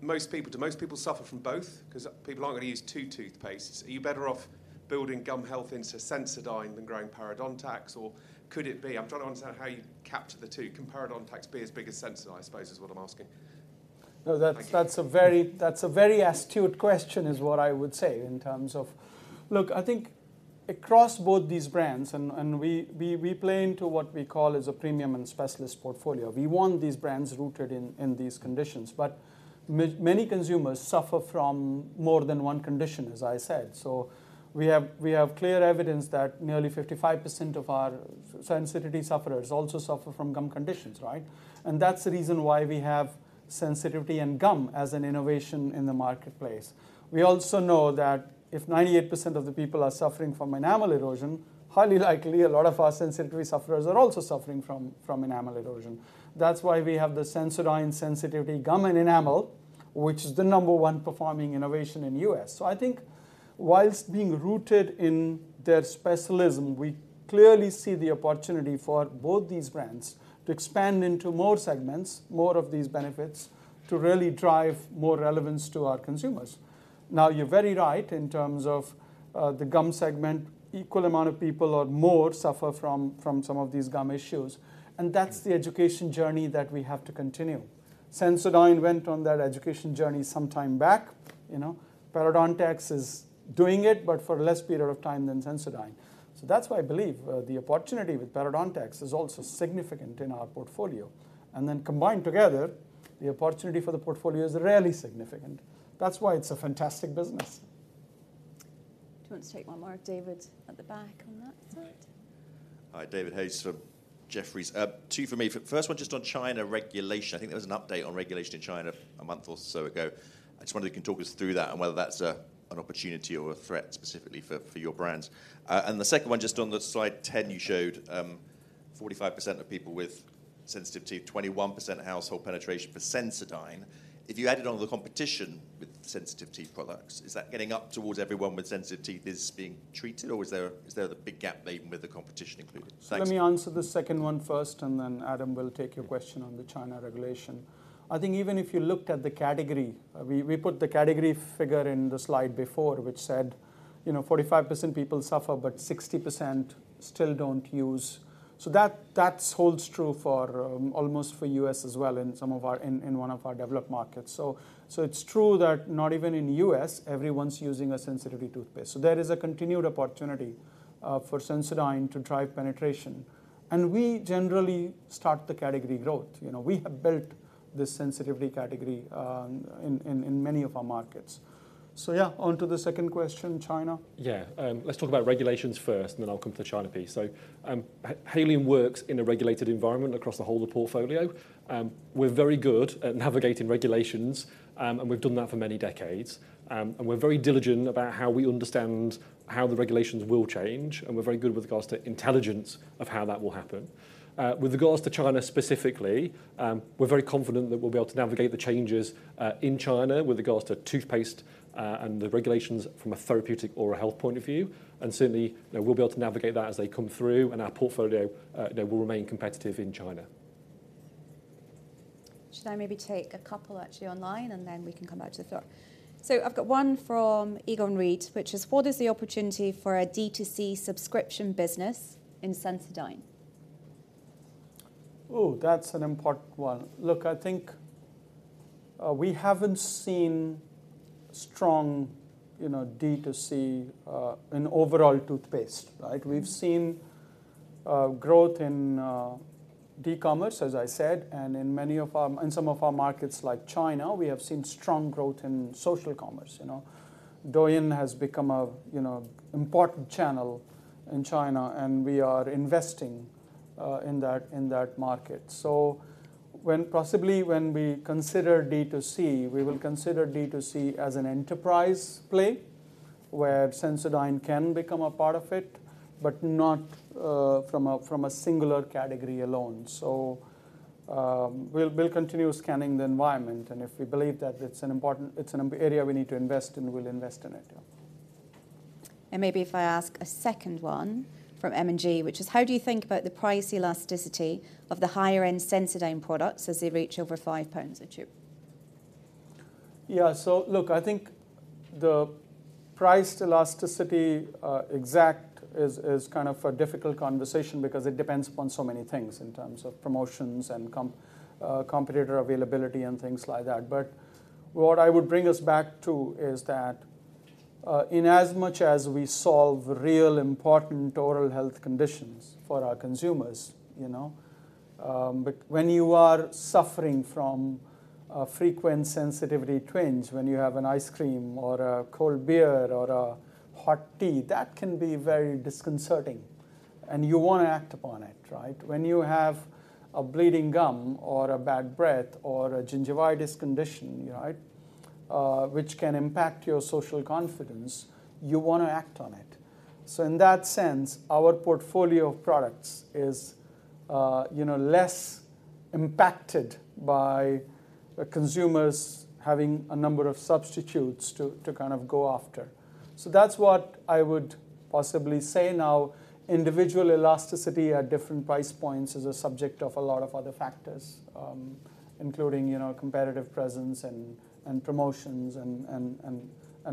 most people, do most people suffer from both? 'Cause people aren't gonna use two toothpastes. Are you better off building gum health into Sensodyne than growing Parodontax, or could it be... I'm trying to understand how you capture the two. Can Parodontax be as big as Sensodyne, I suppose, is what I'm asking? No, that's- Thank you... that's a very, that's a very astute question, is what I would say, in terms of... Look, I think across both these brands, and we play into what we call as a premium and specialist portfolio. We want these brands rooted in these conditions. But many consumers suffer from more than one condition, as I said. So we have clear evidence that nearly 55% of our sensitivity sufferers also suffer from gum conditions, right? And that's the reason why we have sensitivity and gum as an innovation in the marketplace. We also know that if 98% of the people are suffering from enamel erosion, highly likely, a lot of our sensitivity sufferers are also suffering from enamel erosion. That's why we have the Sensodyne Sensitivity, Gum and Enamel, which is the number one performing innovation in U.S. So I think while being rooted in their specialism, we clearly see the opportunity for both these brands to expand into more segments, more of these benefits, to really drive more relevance to our consumers. Now, you're very right in terms of, the gum segment. Equal amount of people or more suffer from, from some of these gum issues, and that's the education journey that we have to continue. Sensodyne went on that education journey some time back, you know. Parodontax is doing it, but for a less period of time than Sensodyne. So that's why I believe, the opportunity with Parodontax is also significant in our portfolio. And then combined together, the opportunity for the portfolio is really significant. That's why it's a fantastic business. Do you want to take one more, David, at the back, on that side? Hi. Hi, David Hayes from Jefferies. Two for me. First one, just on China regulation. I think there was an update on regulation in China a month or so ago. I just wonder if you can talk us through that and whether that's a an opportunity or a threat specifically for, for your brands. And the second one, just on the slide 10, you showed, 45% of people with sensitive teeth, 21% household penetration for Sensodyne. If you added on the competition with sensitive teeth products, is that getting up towards everyone with sensitive teeth is being treated, or is there, is there the big gap even with the competition included? Thanks. Let me answer the second one first, and then Adam will take your question on the China regulation. I think even if you looked at the category, we put the category figure in the slide before, which said, you know, 45% people suffer, but 60% still don't use. So that holds true for almost for US as well, in some of our-- in one of our developed markets. So it's true that not even in the US, everyone's using a sensitivity toothpaste. So there is a continued opportunity for Sensodyne to drive penetration. And we generally start the category growth. You know, we have built this sensitivity category in many of our markets. So yeah, on to the second question, China. Yeah. Let's talk about regulations first, and then I'll come to the China piece. So, Haleon works in a regulated environment across the whole of the portfolio. We're very good at navigating regulations, and we've done that for many decades. And we're very diligent about how we understand how the regulations will change, and we're very good with regards to intelligence of how that will happen. With regards to China specifically, we're very confident that we'll be able to navigate the changes in China with regards to toothpaste, and the regulations from a therapeutic or a health point of view. And certainly, you know, we'll be able to navigate that as they come through, and our portfolio, you know, will remain competitive in China. Should I maybe take a couple, actually, online, and then we can come back to the floor? So I've got one from Egon Reid, which is: "What is the opportunity for a D2C subscription business in Sensodyne? ... Ooh, that's an important one. Look, I think, we haven't seen strong, you know, D2C, in overall toothpaste, right? We've seen, growth in, e-commerce, as I said, and in some of our markets, like China, we have seen strong growth in social commerce, you know. Douyin has become a, you know, important channel in China, and we are investing, in that, in that market. So possibly, when we consider D2C, we will consider D2C as an enterprise play, where Sensodyne can become a part of it, but not, from a, from a singular category alone. So, we'll, we'll continue scanning the environment, and if we believe that it's an important area we need to invest in, we'll invest in it, yeah. Maybe if I ask a second one from M&G, which is: How do you think about the price elasticity of the higher-end Sensodyne products as they reach over 5 pounds a tube? Yeah. So look, I think the price elasticity exactly is kind of a difficult conversation because it depends upon so many things in terms of promotions and competitor availability and things like that. But what I would bring us back to is that, in as much as we solve real important oral health conditions for our consumers, you know, but when you are suffering from a frequent sensitivity twinge, when you have an ice cream or a cold beer or a hot tea, that can be very disconcerting, and you want to act upon it, right? When you have a bleeding gum or a bad breath or a gingivitis condition, right, which can impact your social confidence, you want to act on it. So in that sense, our portfolio of products is, you know, less impacted by consumers having a number of substitutes to kind of go after. So that's what I would possibly say. Now, individual elasticity at different price points is a subject of a lot of other factors, including, you know, competitive presence and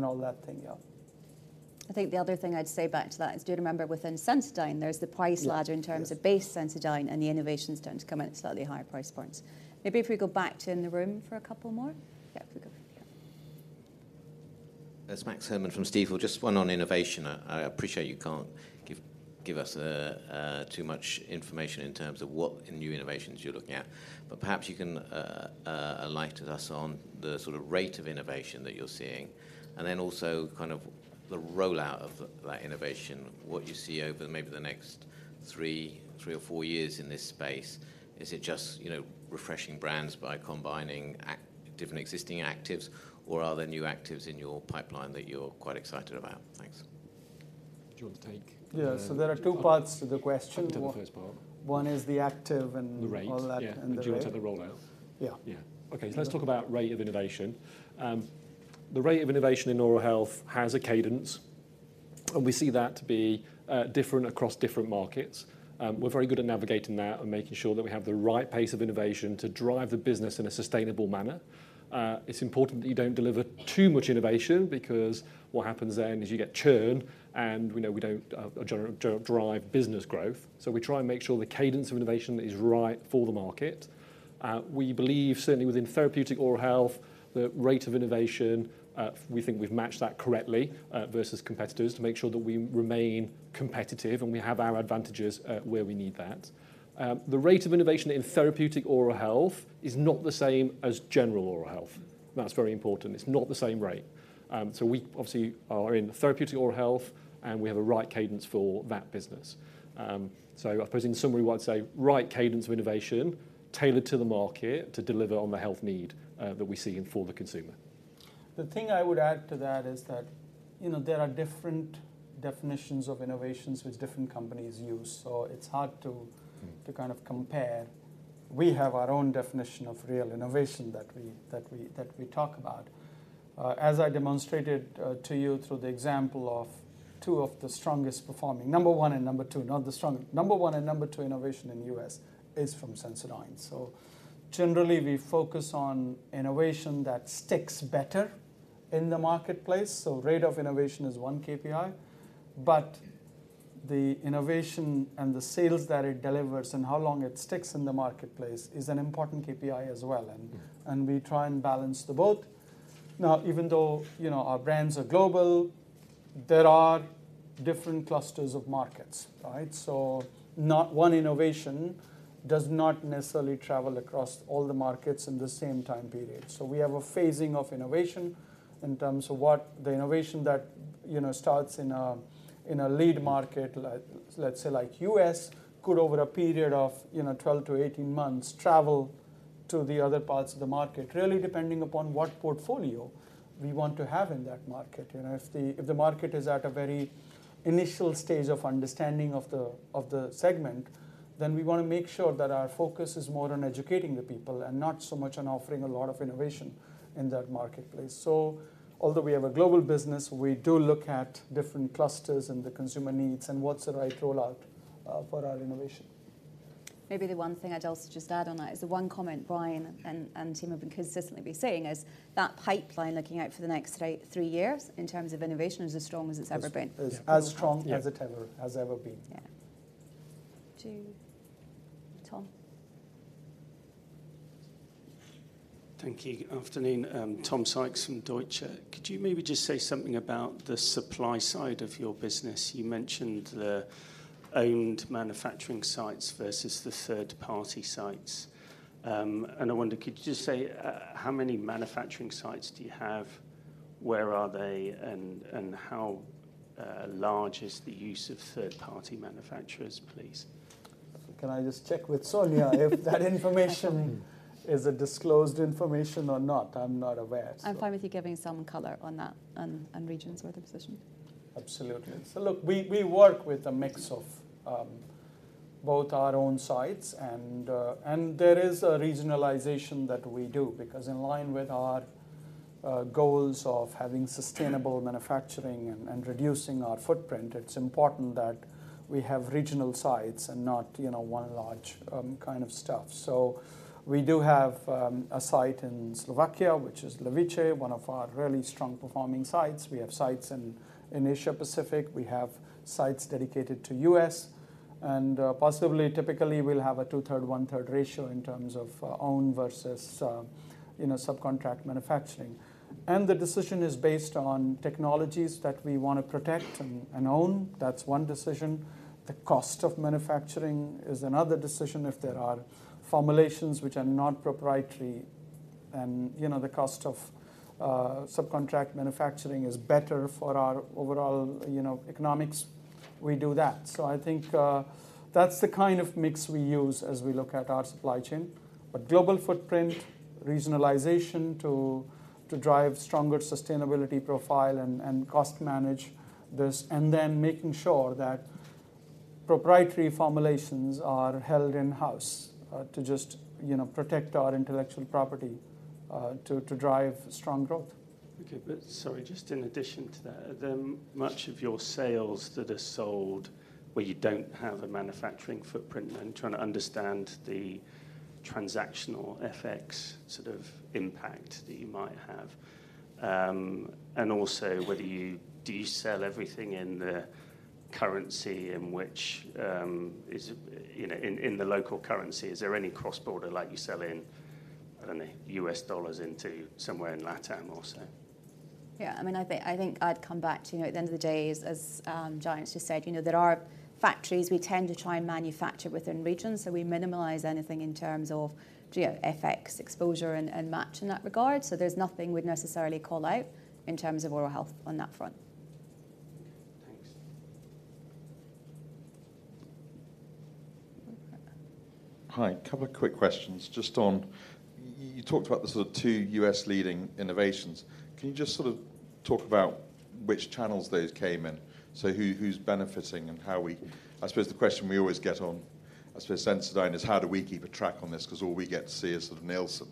all that thing, yeah. I think the other thing I'd say back to that is, do remember, within Sensodyne, there's the price ladder- Yeah, yeah... in terms of base Sensodyne, and the innovations tend to come at slightly higher price points. Maybe if we go back to in the room for a couple more? Yeah, if we go here. It's Max Herrmann from Stifel. Just one on innovation. I appreciate you can't give us too much information in terms of what new innovations you're looking at, but perhaps you can enlighten us on the sort of rate of innovation that you're seeing, and then also kind of the rollout of that innovation, what you see over maybe the next three or four years in this space. Is it just, you know, refreshing brands by combining different existing actives, or are there new actives in your pipeline that you're quite excited about? Thanks. Do you want to take the- Yeah, so there are two parts to the question. I can take the first part. One is the active, and- The rate... all that, and the other- Yeah, and you'll take the rollout? Yeah. Yeah. Okay. Yeah. So let's talk about rate of innovation. The rate of innovation in oral health has a cadence, and we see that to be different across different markets. We're very good at navigating that and making sure that we have the right pace of innovation to drive the business in a sustainable manner. It's important that you don't deliver too much innovation because what happens then is you get churn, and we know we don't drive business growth. So we try and make sure the cadence of innovation is right for the market. We believe, certainly within therapeutic oral health, the rate of innovation, we think we've matched that correctly versus competitors, to make sure that we remain competitive, and we have our advantages where we need that. The rate of innovation in therapeutic oral health is not the same as general oral health. That's very important. It's not the same rate. So we obviously are in therapeutic oral health, and we have a right cadence for that business. So I suppose in summary, we want to say, right cadence of innovation, tailored to the market to deliver on the health need, that we see in for the consumer. The thing I would add to that is that, you know, there are different definitions of innovations which different companies use, so it's hard to- Mm... to kind of compare. We have our own definition of real innovation that we talk about. As I demonstrated to you through the example of two of the strongest performing, number one and number two innovation in U.S. is from Sensodyne. So generally, we focus on innovation that sticks better in the marketplace, so rate of innovation is one KPI, but the innovation and the sales that it delivers and how long it sticks in the marketplace is an important KPI as well, and- Yeah... and we try and balance the both. Now, even though, you know, our brands are global, there are different clusters of markets, right? So not one innovation does not necessarily travel across all the markets in the same time period. So we have a phasing of innovation in terms of what the innovation that, you know, starts in a lead market, like, let's say like U.S., could, over a period of, you know, 12-18 months, travel to the other parts of the market, really depending upon what portfolio we want to have in that market. You know, if the, if the market is at a very initial stage of understanding of the, of the segment, then we want to make sure that our focus is more on educating the people and not so much on offering a lot of innovation in that marketplace. So although we have a global business, we do look at different clusters and the consumer needs and what's the right rollout for our innovation. Maybe the one thing I'd also just add on that is the one comment Brian and the team have been consistently saying is that pipeline looking out for the next 8, 3 years, in terms of innovation, is as strong as it's ever been. Is as strong- Yeah... as it ever has ever been. Yeah. To Tom.... Thank you. Good afternoon, Tom Sykes from Deutsche. Could you maybe just say something about the supply side of your business? You mentioned the owned manufacturing sites versus the third-party sites. I wonder, could you just say how many manufacturing sites do you have, where are they, and how large is the use of third-party manufacturers, please? Can I just check with Sonya—if that information is a disclosed information or not? I'm not aware, so. I'm fine with you giving some color on that, and regions where they're positioned. Absolutely. So look, we work with a mix of both our own sites and there is a regionalization that we do, because in line with our goals of having sustainable manufacturing and reducing our footprint, it's important that we have regional sites and not, you know, one large kind of stuff. So we do have a site in Slovakia, which is Levice, one of our really strong-performing sites. We have sites in Asia Pacific, we have sites dedicated to U.S., and possibly, typically, we'll have a two-thirds, one-third ratio in terms of own versus subcontract manufacturing. And the decision is based on technologies that we wanna protect and own. That's one decision. The cost of manufacturing is another decision. If there are formulations which are not proprietary and, you know, the cost of subcontract manufacturing is better for our overall, you know, economics, we do that. So I think that's the kind of mix we use as we look at our supply chain. But global footprint, regionalization to drive stronger sustainability profile and cost management, and then making sure that proprietary formulations are held in-house, to just, you know, protect our intellectual property, to drive strong growth. Okay. But sorry, just in addition to that, are there much of your sales that are sold where you don't have a manufacturing footprint? I'm trying to understand the transactional FX sort of impact that you might have. And also, whether you... Do you sell everything in the currency in which, is, you know, in, in the local currency, is there any cross-border, like you sell in, I don't know, US dollars into somewhere in LATAM also? Yeah, I mean, I think I'd come back to, you know, at the end of the day, as Jayant just said, you know, there are factories. We tend to try and manufacture within regions, so we minimize anything in terms of, you know, FX exposure and match in that regard. So there's nothing we'd necessarily call out in terms of Oral Health on that front. Thanks. Hi. A couple of quick questions. Just on... you talked about the sort of two U.S. leading innovations. Can you just sort of talk about which channels those came in? So who, who's benefiting and how we... I suppose the question we always get on, I suppose, Sensodyne, is how do we keep a track on this? 'Cause all we get to see is sort of Nielsen.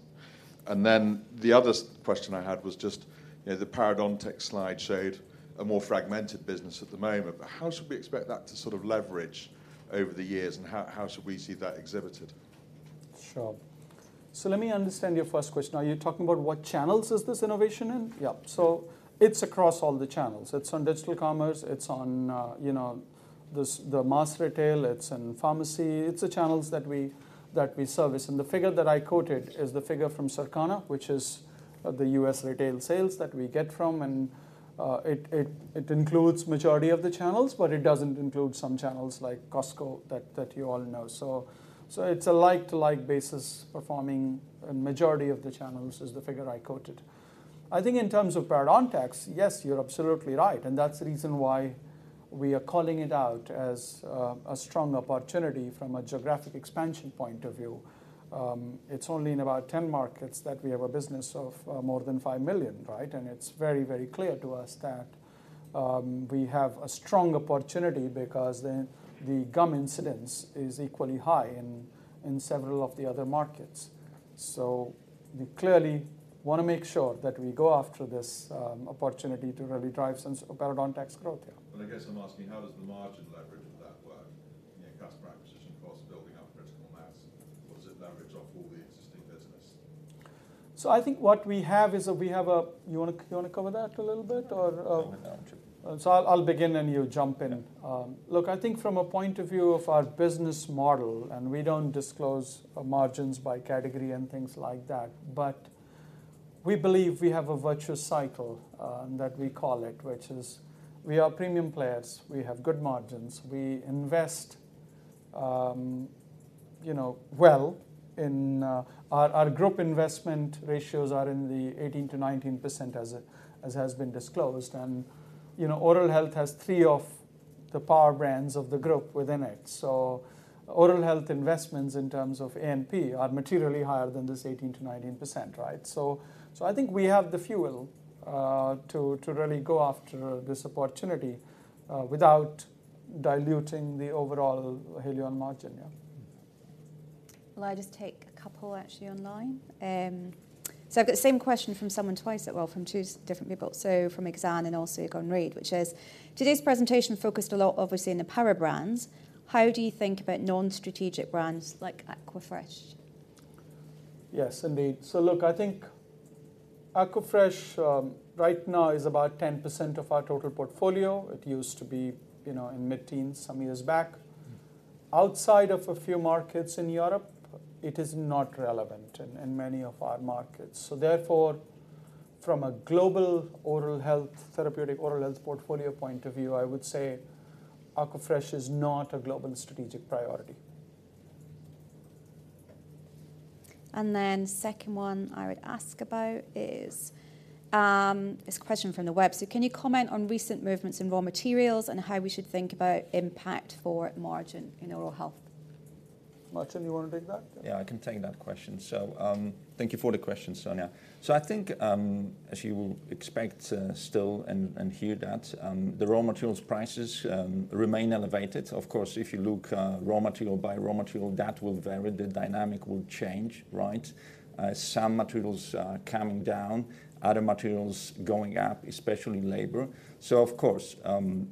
And then, the other question I had was just, you know, the Parodontax slide showed a more fragmented business at the moment, but how should we expect that to sort of leverage over the years, and how, how should we see that exhibited? Sure. So let me understand your first question. Are you talking about what channels is this innovation in? Yeah, so it's across all the channels. It's on digital commerce, it's on, you know, this, the mass retail, it's in pharmacy. It's the channels that we service. And the figure that I quoted is the figure from Circana, which is the U.S. retail sales that we get from, and it includes majority of the channels, but it doesn't include some channels like Costco, that you all know. So it's a like-for-like basis performing, and majority of the channels is the figure I quoted. I think in terms of Parodontax, yes, you're absolutely right, and that's the reason why we are calling it out as a strong opportunity from a geographic expansion point of view. It's only in about 10 markets that we have a business of more than 5 million, right? And it's very, very clear to us that we have a strong opportunity because the gum incidence is equally high in several of the other markets. So we clearly wanna make sure that we go after this opportunity to really drive some Parodontax growth here. I guess I'm asking, how does the margin leverage of that work? You know, customer acquisition cost, building up critical mass, or does it leverage off all the existing business? So I think what we have is that we have. You wanna cover that a little bit, or? Sure. So I'll begin, and you jump in. Okay. Look, I think from a point of view of our business model, and we don't disclose margins by category and things like that, but we believe we have a virtuous cycle that we call it, which is, we are premium players, we have good margins, we invest, you know, well in... Our group investment ratios are in the 18%-19%, as has been disclosed. You know, Oral Health has three of the power brands of the group within it. So Oral Health investments in terms of A&P are materially higher than this 18%-19%, right? So I think we have the fuel to really go after this opportunity without diluting the overall Haleon margin, yeah. Well, I'll just take a couple, actually, online. So I've got the same question from someone twice. Well, from two different people, so from Exane and also lain Reid, which is: "Today's presentation focused a lot, obviously, on the Power brands. How do you think about non-strategic brands like Aquafresh? Yes, indeed. So look, I think, Aquafresh, right now is about 10% of our total portfolio. It used to be, you know, in mid-teens some years back. Outside of a few markets in Europe, it is not relevant in many of our markets. So therefore, from a global oral health, therapeutic oral health portfolio point of view, I would say Aquafresh is not a global strategic priority. And then second one I would ask about is, it's a question from the web: So can you comment on recent movements in raw materials and how we should think about impact for margin in oral health? Marcin, you wanna take that? Yeah, I can take that question. So, thank you for the question, Sonya. So I think, as you will expect, still and, and hear that, the raw materials prices remain elevated. Of course, if you look, raw material by raw material, that will vary, the dynamic will change, right? Some materials are coming down, other materials going up, especially labor. So of course,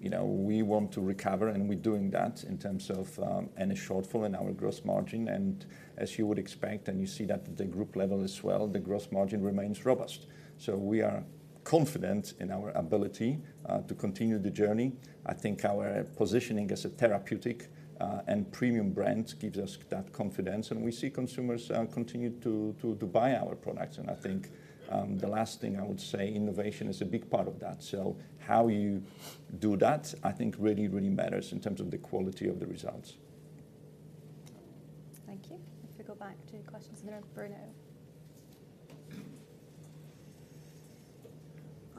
you know, we want to recover, and we're doing that in terms of, any shortfall in our gross margin. And as you would expect, and you see that at the group level as well, the gross margin remains robust. So we are confident in our ability, to continue the journey. I think our positioning as a therapeutic, and premium brand gives us that confidence, and we see consumers, continue to buy our products. I think, the last thing I would say, innovation is a big part of that. How you do that, I think really, really matters in terms of the quality of the results. Thank you. If we go back to questions in there, Bruno.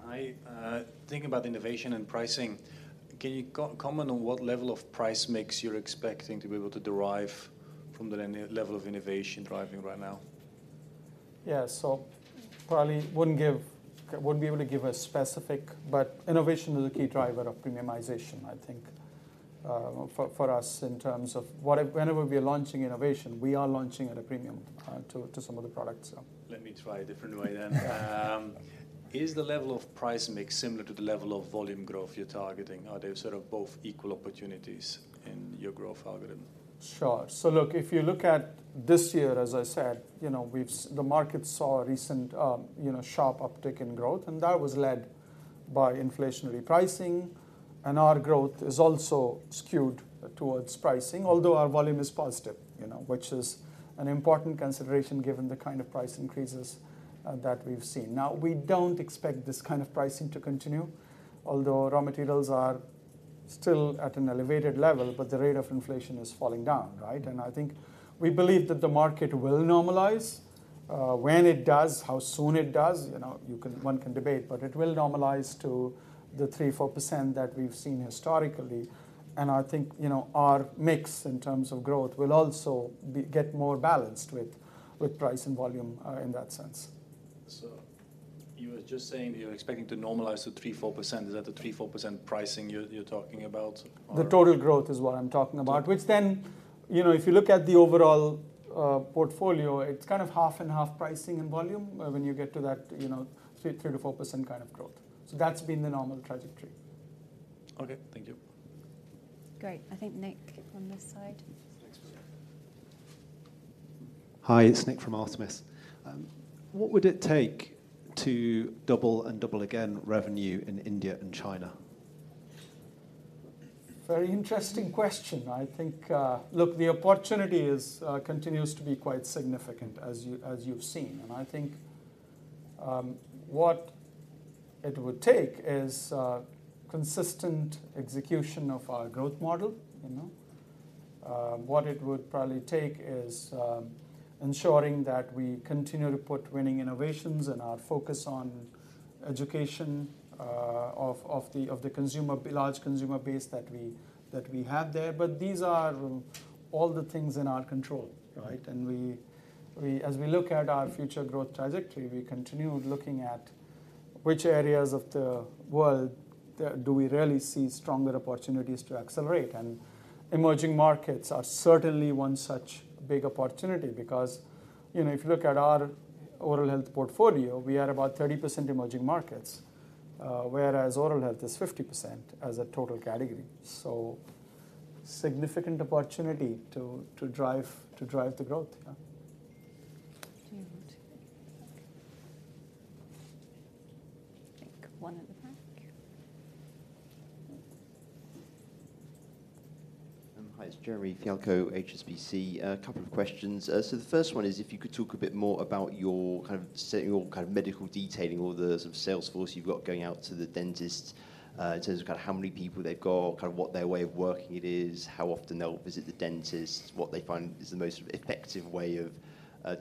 I thinking about innovation and pricing, can you comment on what level of price mix you're expecting to be able to derive from the level of innovation driving right now? Yeah, so probably wouldn't be able to give a specific, but innovation is a key driver of premiumization, I think, for us, in terms of whenever we're launching innovation, we are launching at a premium to some of the products, so. Let me try a different way then. Is the level of price mix similar to the level of volume growth you're targeting? Are they sort of both equal opportunities in your growth algorithm? Sure. So look, if you look at this year, as I said, you know, the market saw a recent, you know, sharp uptick in growth, and that was led by inflationary pricing, and our growth is also skewed towards pricing, although our volume is positive, you know, which is an important consideration given the kind of price increases that we've seen. Now, we don't expect this kind of pricing to continue, although raw materials are still at an elevated level, but the rate of inflation is falling down, right? And I think we believe that the market will normalize. When it does, how soon it does, you know, you can... one can debate, but it will normalize to the 3%-4% that we've seen historically. I think, you know, our mix in terms of growth will also get more balanced with price and volume in that sense. So you were just saying you're expecting to normalize to 3%-4%. Is that the 3%-4% pricing you're talking about or? The total growth is what I'm talking about. Total. Which then, you know, if you look at the overall portfolio, it's kind of half and half pricing and volume when you get to that, you know, 3%-4% kind of growth. So that's been the normal trajectory. Okay, thank you. Great. I think Nick, on this side. Thanks, Bruno. Hi, it's Nick from Artemis. What would it take to double and double again revenue in India and China? Very interesting question. I think... Look, the opportunity is, continues to be quite significant, as you, as you've seen. And I think, what it would take is, consistent execution of our growth model, you know? What it would probably take is, ensuring that we continue to put winning innovations and our focus on education, of the consumer, large consumer base that we have there. But these are all the things in our control, right? And we, as we look at our future growth trajectory, we continue looking at which areas of the world do we really see stronger opportunities to accelerate. Emerging markets are certainly one such big opportunity because, you know, if you look at our oral health portfolio, we are about 30% emerging markets, whereas oral health is 50% as a total category. So significant opportunity to drive the growth. Yeah. Do you want to...? I think one at the back. Hi, it's Jeremy Fialko, HSBC. A couple of questions. So the first one is, if you could talk a bit more about your kind of set, your kind of medical detailing or the sort of sales force you've got going out to the dentists, in terms of kind of how many people they've got, kind of what their way of working it is, how often they'll visit the dentist, what they find is the most effective way of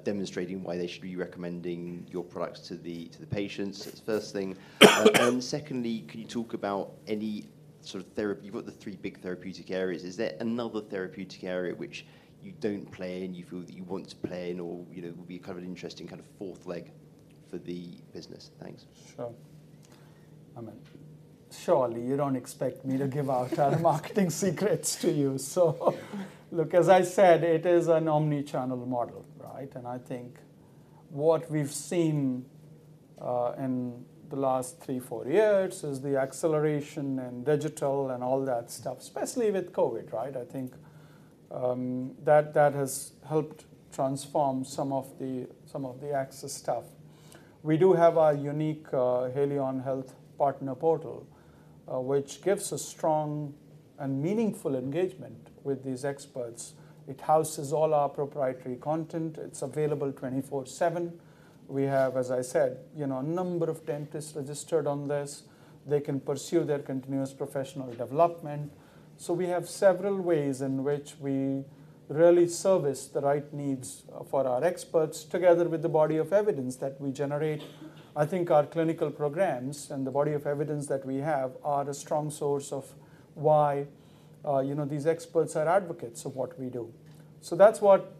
demonstrating why they should be recommending your products to the, to the patients. That's the first thing. And secondly, can you talk about any sort of therapy? You've got the three big therapeutic areas. Is there another therapeutic area which you don't play in, you feel that you want to play in or, you know, would be kind of an interesting kind of fourth leg for the business? Thanks. Sure. I mean, surely you don't expect me to give out our marketing secrets to you. So look, as I said, it is an omni-channel model, right? And I think what we've seen in the last 3-4 years is the acceleration in digital and all that stuff, especially with COVID, right? I think that has helped transform some of the access stuff. We do have our unique Haleon Health Partner portal, which gives a strong and meaningful engagement with these experts. It houses all our proprietary content. It's available 24/7. We have, as I said, you know, a number of dentists registered on this. They can pursue their continuous professional development. So we have several ways in which we really service the right needs for our experts, together with the body of evidence that we generate. I think our clinical programs and the body of evidence that we have are a strong source of why, you know, these experts are advocates of what we do. So that's what,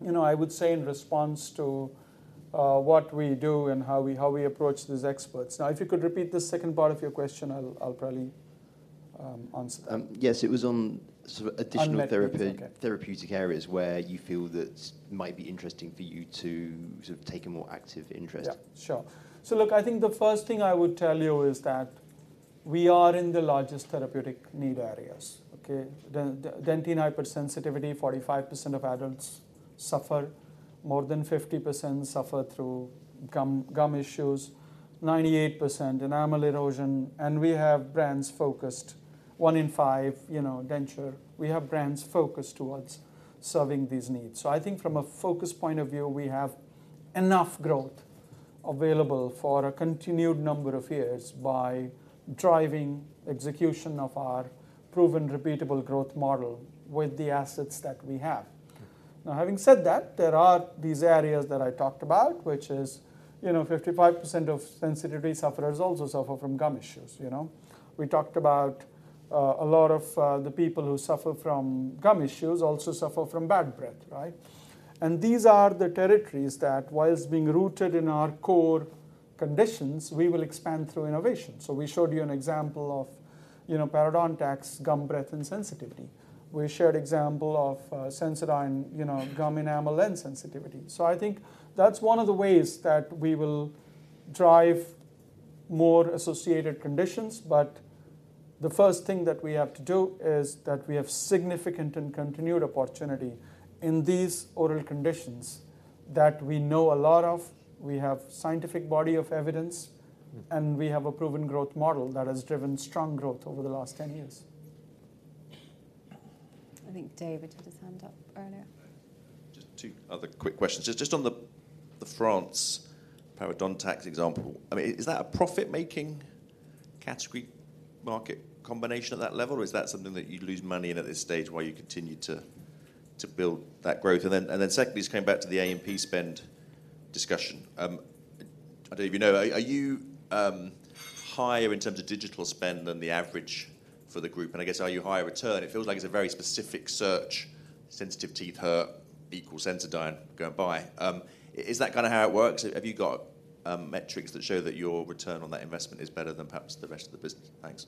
you know, I would say in response to what we do and how we approach these experts. Now, if you could repeat the second part of your question, I'll probably answer that. Yes, it was on sort of additional- Unmet needs, okay.... therapeutic areas where you feel that might be interesting for you to sort of take a more active interest. Yeah, sure. So look, I think the first thing I would tell you is that we are in the largest therapeutic need areas, okay? dentine hypersensitivity, 45% of adults suffer, more than 50% suffer through gum issues, 98% enamel erosion, and we have brands focused. One in five, you know, denture. We have brands focused towards serving these needs. So I think from a focus point of view, we have enough growth available for a continued number of years by driving execution of our proven repeatable growth model with the assets that we have. Okay. Now, having said that, there are these areas that I talked about, which is, you know, 55% of sensitivity sufferers also suffer from gum issues, you know? We talked about a lot of the people who suffer from gum issues also suffer from bad breath, right? And these are the territories that, whilst being rooted in our core conditions, we will expand through innovation. So we showed you an example of, you know, Parodontax: gum, breath, and sensitivity. We showed example of Sensodyne, you know, gum, enamel, and sensitivity. So I think that's one of the ways that we will drive more associated conditions, but the first thing that we have to do is that we have significant and continued opportunity in these oral conditions that we know a lot of, we have scientific body of evidence- Mm... and we have a proven growth model that has driven strong growth over the last 10 years. I think David had his hand up earlier. Just two other quick questions. Just on the France Parodontax example, I mean, is that a profit-making category market combination at that level, or is that something that you lose money in at this stage while you continue to build that growth? And then secondly, just coming back to the A&P spend discussion, I don't know if you know, are you higher in terms of digital spend than the average for the group? And I guess, are you higher return? It feels like it's a very specific search, sensitive teeth hurt equals Sensodyne go and buy. Is that kind of how it works? Have you got metrics that show that your return on that investment is better than perhaps the rest of the business? Thanks.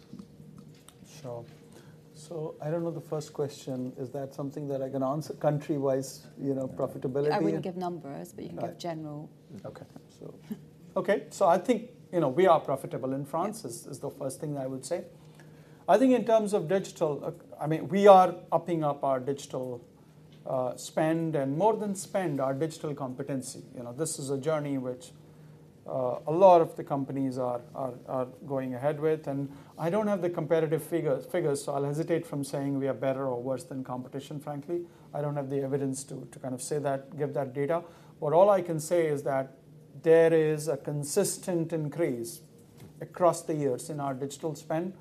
Sure. So I don't know the first question. Is that something that I can answer country-wise, you know, profitability and- I wouldn't give numbers- Okay... but you can give general. Okay. So I think, you know, we are profitable in France. Yeah... is the first thing I would say. I think in terms of digital, I mean, we are upping up our digital spend, and more than spend, our digital competency. You know, this is a journey which a lot of the companies are going ahead with, and I don't have the competitive figures, so I'll hesitate from saying we are better or worse than competition, frankly. I don't have the evidence to kind of say that, give that data. But all I can say is that there is a consistent increase across the years in our digital spend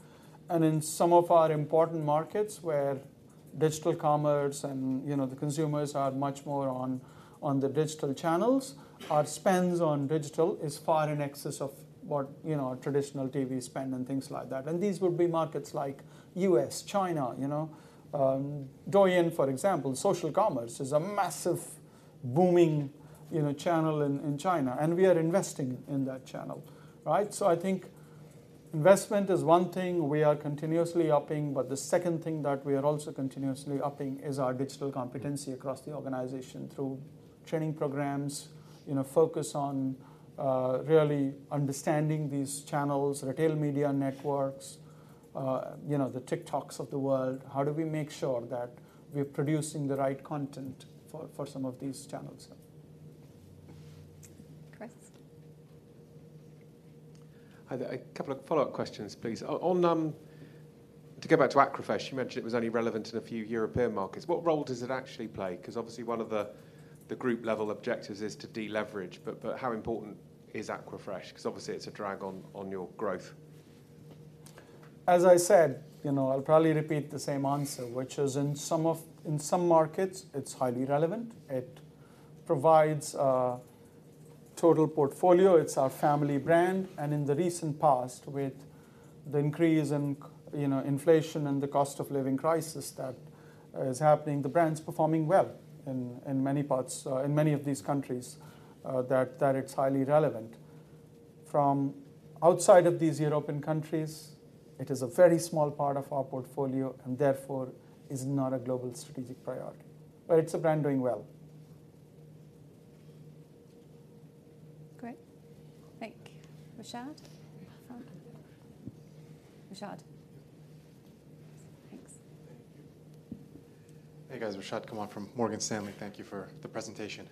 and in some of our important markets where digital commerce and, you know, the consumers are much more on the digital channels. Our spends on digital is far in excess of what, you know, our traditional TV spend and things like that. These would be markets like U.S., China, you know. Douyin, for example, social commerce, is a massive, booming, you know, channel in, in China, and we are investing in that channel, right? So I think investment is one thing we are continuously upping, but the second thing that we are also continuously upping is our digital competency across the organization through training programs, you know, focus on, really understanding these channels, retail media networks, you know, the TikToks of the world. How do we make sure that we're producing the right content for, for some of these channels? Chris? Hi there. A couple of follow-up questions, please. On, To go back to Aquafresh, you mentioned it was only relevant in a few European markets. What role does it actually play? 'Cause obviously, one of the group-level objectives is to deleverage, but how important is Aquafresh? 'Cause obviously, it's a drag on your growth. As I said, you know, I'll probably repeat the same answer, which is in some markets, it's highly relevant. It provides a total portfolio. It's our family brand, and in the recent past, with the increase in, you know, inflation and the cost-of-living crisis that is happening, the brand's performing well in many parts in many of these countries that it's highly relevant. From outside of these European countries, it is a very small part of our portfolio and therefore is not a global strategic priority. But it's a brand doing well. ... Great. Thank you. Rashad? Rashad. Thanks. Thank you. Hey, guys, Rashad Kawan from Morgan Stanley. Thank you for the presentation.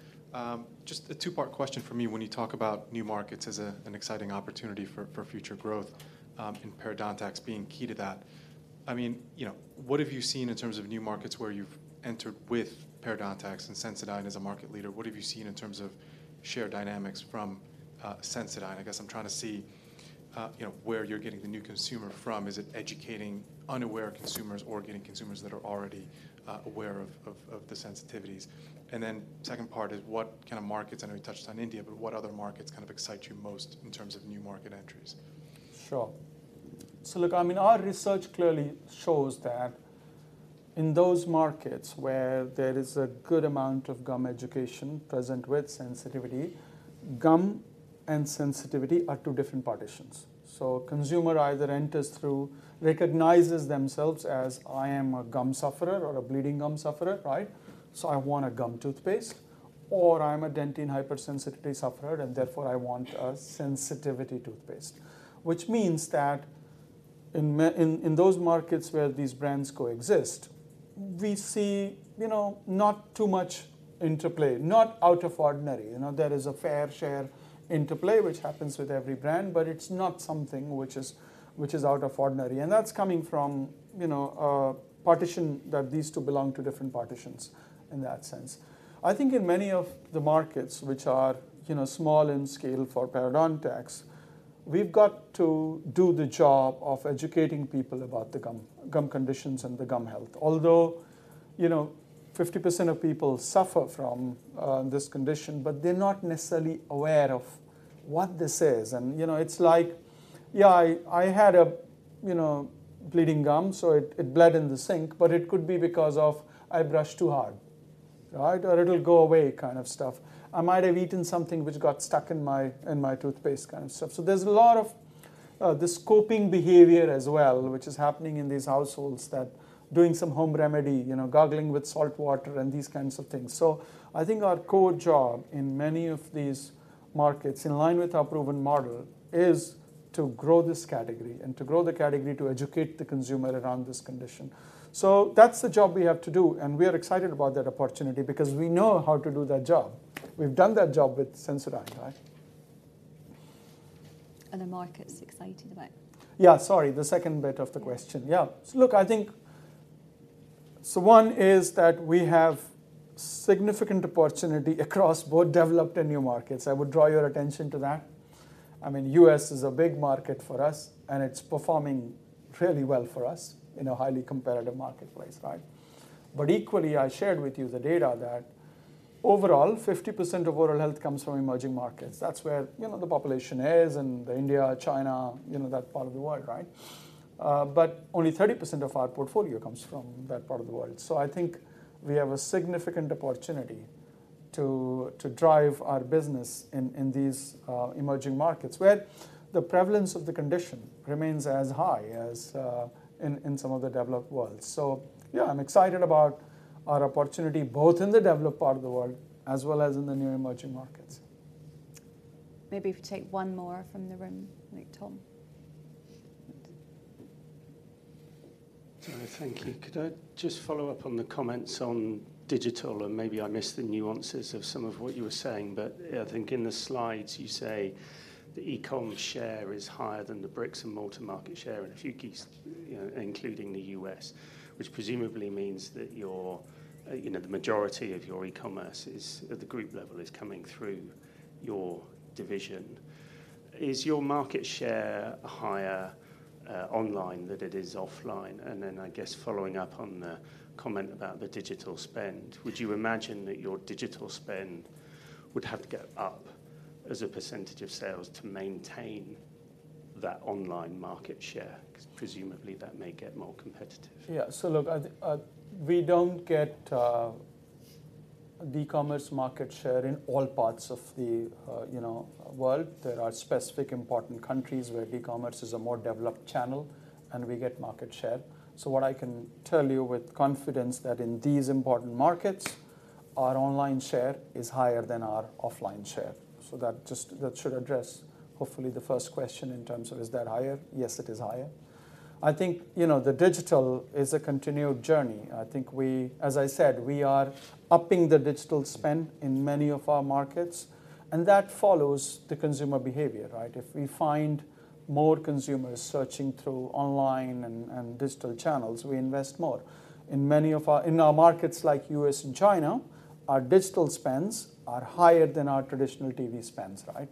Just a two-part question from me. When you talk about new markets as an exciting opportunity for future growth, and Parodontax being key to that, I mean, you know, what have you seen in terms of new markets where you've entered with Parodontax and Sensodyne as a market leader? What have you seen in terms of share dynamics from Sensodyne? I guess I'm trying to see, you know, where you're getting the new consumer from. Is it educating unaware consumers or getting consumers that are already aware of the sensitivities? And then second part is, what kind of markets, I know you touched on India, but what other markets kind of excite you most in terms of new market entries? Sure. So look, I mean, our research clearly shows that in those markets where there is a good amount of gum education present with sensitivity, gum and sensitivity are two different partitions. So consumer either enters through recognizes themselves as, "I am a gum sufferer or a bleeding gum sufferer," right? "So I want a gum toothpaste," or, "I'm a dentine hypersensitivity sufferer, and therefore, I want a sensitivity toothpaste." Which means that in those markets where these brands coexist, we see, you know, not too much interplay. Not out of ordinary, you know? There is a fair share interplay, which happens with every brand, but it's not something which is out of ordinary, and that's coming from, you know, a partition, that these two belong to different partitions in that sense. I think in many of the markets which are, you know, small in scale for Parodontax, we've got to do the job of educating people about the gum conditions and the gum health. Although, you know, 50% of people suffer from this condition, but they're not necessarily aware of what this is, and, you know, it's like, "Yeah, I had a, you know, bleeding gum, so it bled in the sink, but it could be because of I brush too hard," right? Or, "It'll go away," kind of stuff. "I might have eaten something which got stuck in my toothpaste," kind of stuff. So there's a lot of this coping behavior as well, which is happening in these households, that doing some home remedy, you know, gargling with salt water and these kinds of things. So I think our core job in many of these markets, in line with our proven model, is to grow this category and to grow the category to educate the consumer around this condition. So that's the job we have to do, and we are excited about that opportunity because we know how to do that job. We've done that job with Sensodyne, right? The market's excited about it. Yeah, sorry, the second bit of the question. Yeah. Yeah. So look, I think... So one is that we have significant opportunity across both developed and new markets. I would draw your attention to that. I mean, U.S. is a big market for us, and it's performing really well for us in a highly competitive marketplace, right? But equally, I shared with you the data that overall, 50% of oral health comes from emerging markets. That's where, you know, the population is, in India, China, you know, that part of the world, right? But only 30% of our portfolio comes from that part of the world. So I think we have a significant opportunity to drive our business in these emerging markets, where the prevalence of the condition remains as high as in some of the developed worlds. So yeah, I'm excited about our opportunity, both in the developed part of the world as well as in the new emerging markets. Maybe if you take one more from the room. Like Tom. Thank you. Could I just follow up on the comments on digital? And maybe I missed the nuances of some of what you were saying, but, yeah, I think in the slides you say the e-com share is higher than the bricks-and-mortar market share in a few keys, you know, including the U.S., which presumably means that your, you know, the majority of your e-commerce is, at the group level, is coming through your division. Is your market share higher, online than it is offline? And then, I guess following up on the comment about the digital spend, would you imagine that your digital spend would have to go up as a percentage of sales to maintain that online market share? 'Cause presumably, that may get more competitive. Yeah. So look, we don't get the e-commerce market share in all parts of the, you know, world. There are specific important countries where e-commerce is a more developed channel, and we get market share. So what I can tell you with confidence that in these important markets, our online share is higher than our offline share. So that just, that should address, hopefully, the first question in terms of, is that higher? Yes, it is higher. I think, you know, the digital is a continued journey. I think we, as I said, we are upping the digital spend in many of our markets, and that follows the consumer behavior, right? If we find more consumers searching through online and, and digital channels, we invest more. In our markets, like U.S. and China, our digital spends are higher than our traditional TV spends, right?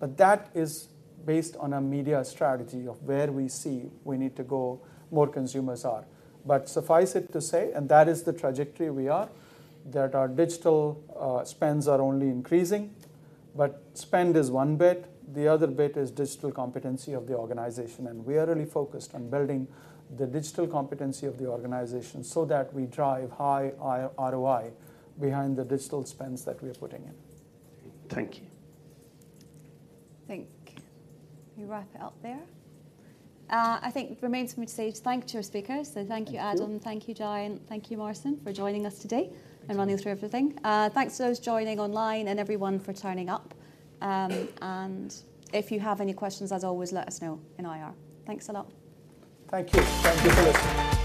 But that is based on a media strategy of where we see we need to go, more consumers are. But suffice it to say, and that is the trajectory we are, that our digital spends are only increasing. But spend is one bit. The other bit is digital competency of the organization, and we are really focused on building the digital competency of the organization so that we drive high ROI behind the digital spends that we're putting in. Thank you. Thank you. We wrap it up there. I think it remains for me to say thank to our speakers. Thank you. Thank you, Adam, thank you, Jayant, and thank you, Marcin, for joining us today. Thank you... and running through everything. Thanks to those joining online and everyone for turning up. And if you have any questions, as always, let us know in IR. Thanks a lot. Thank you. Thank you for listening.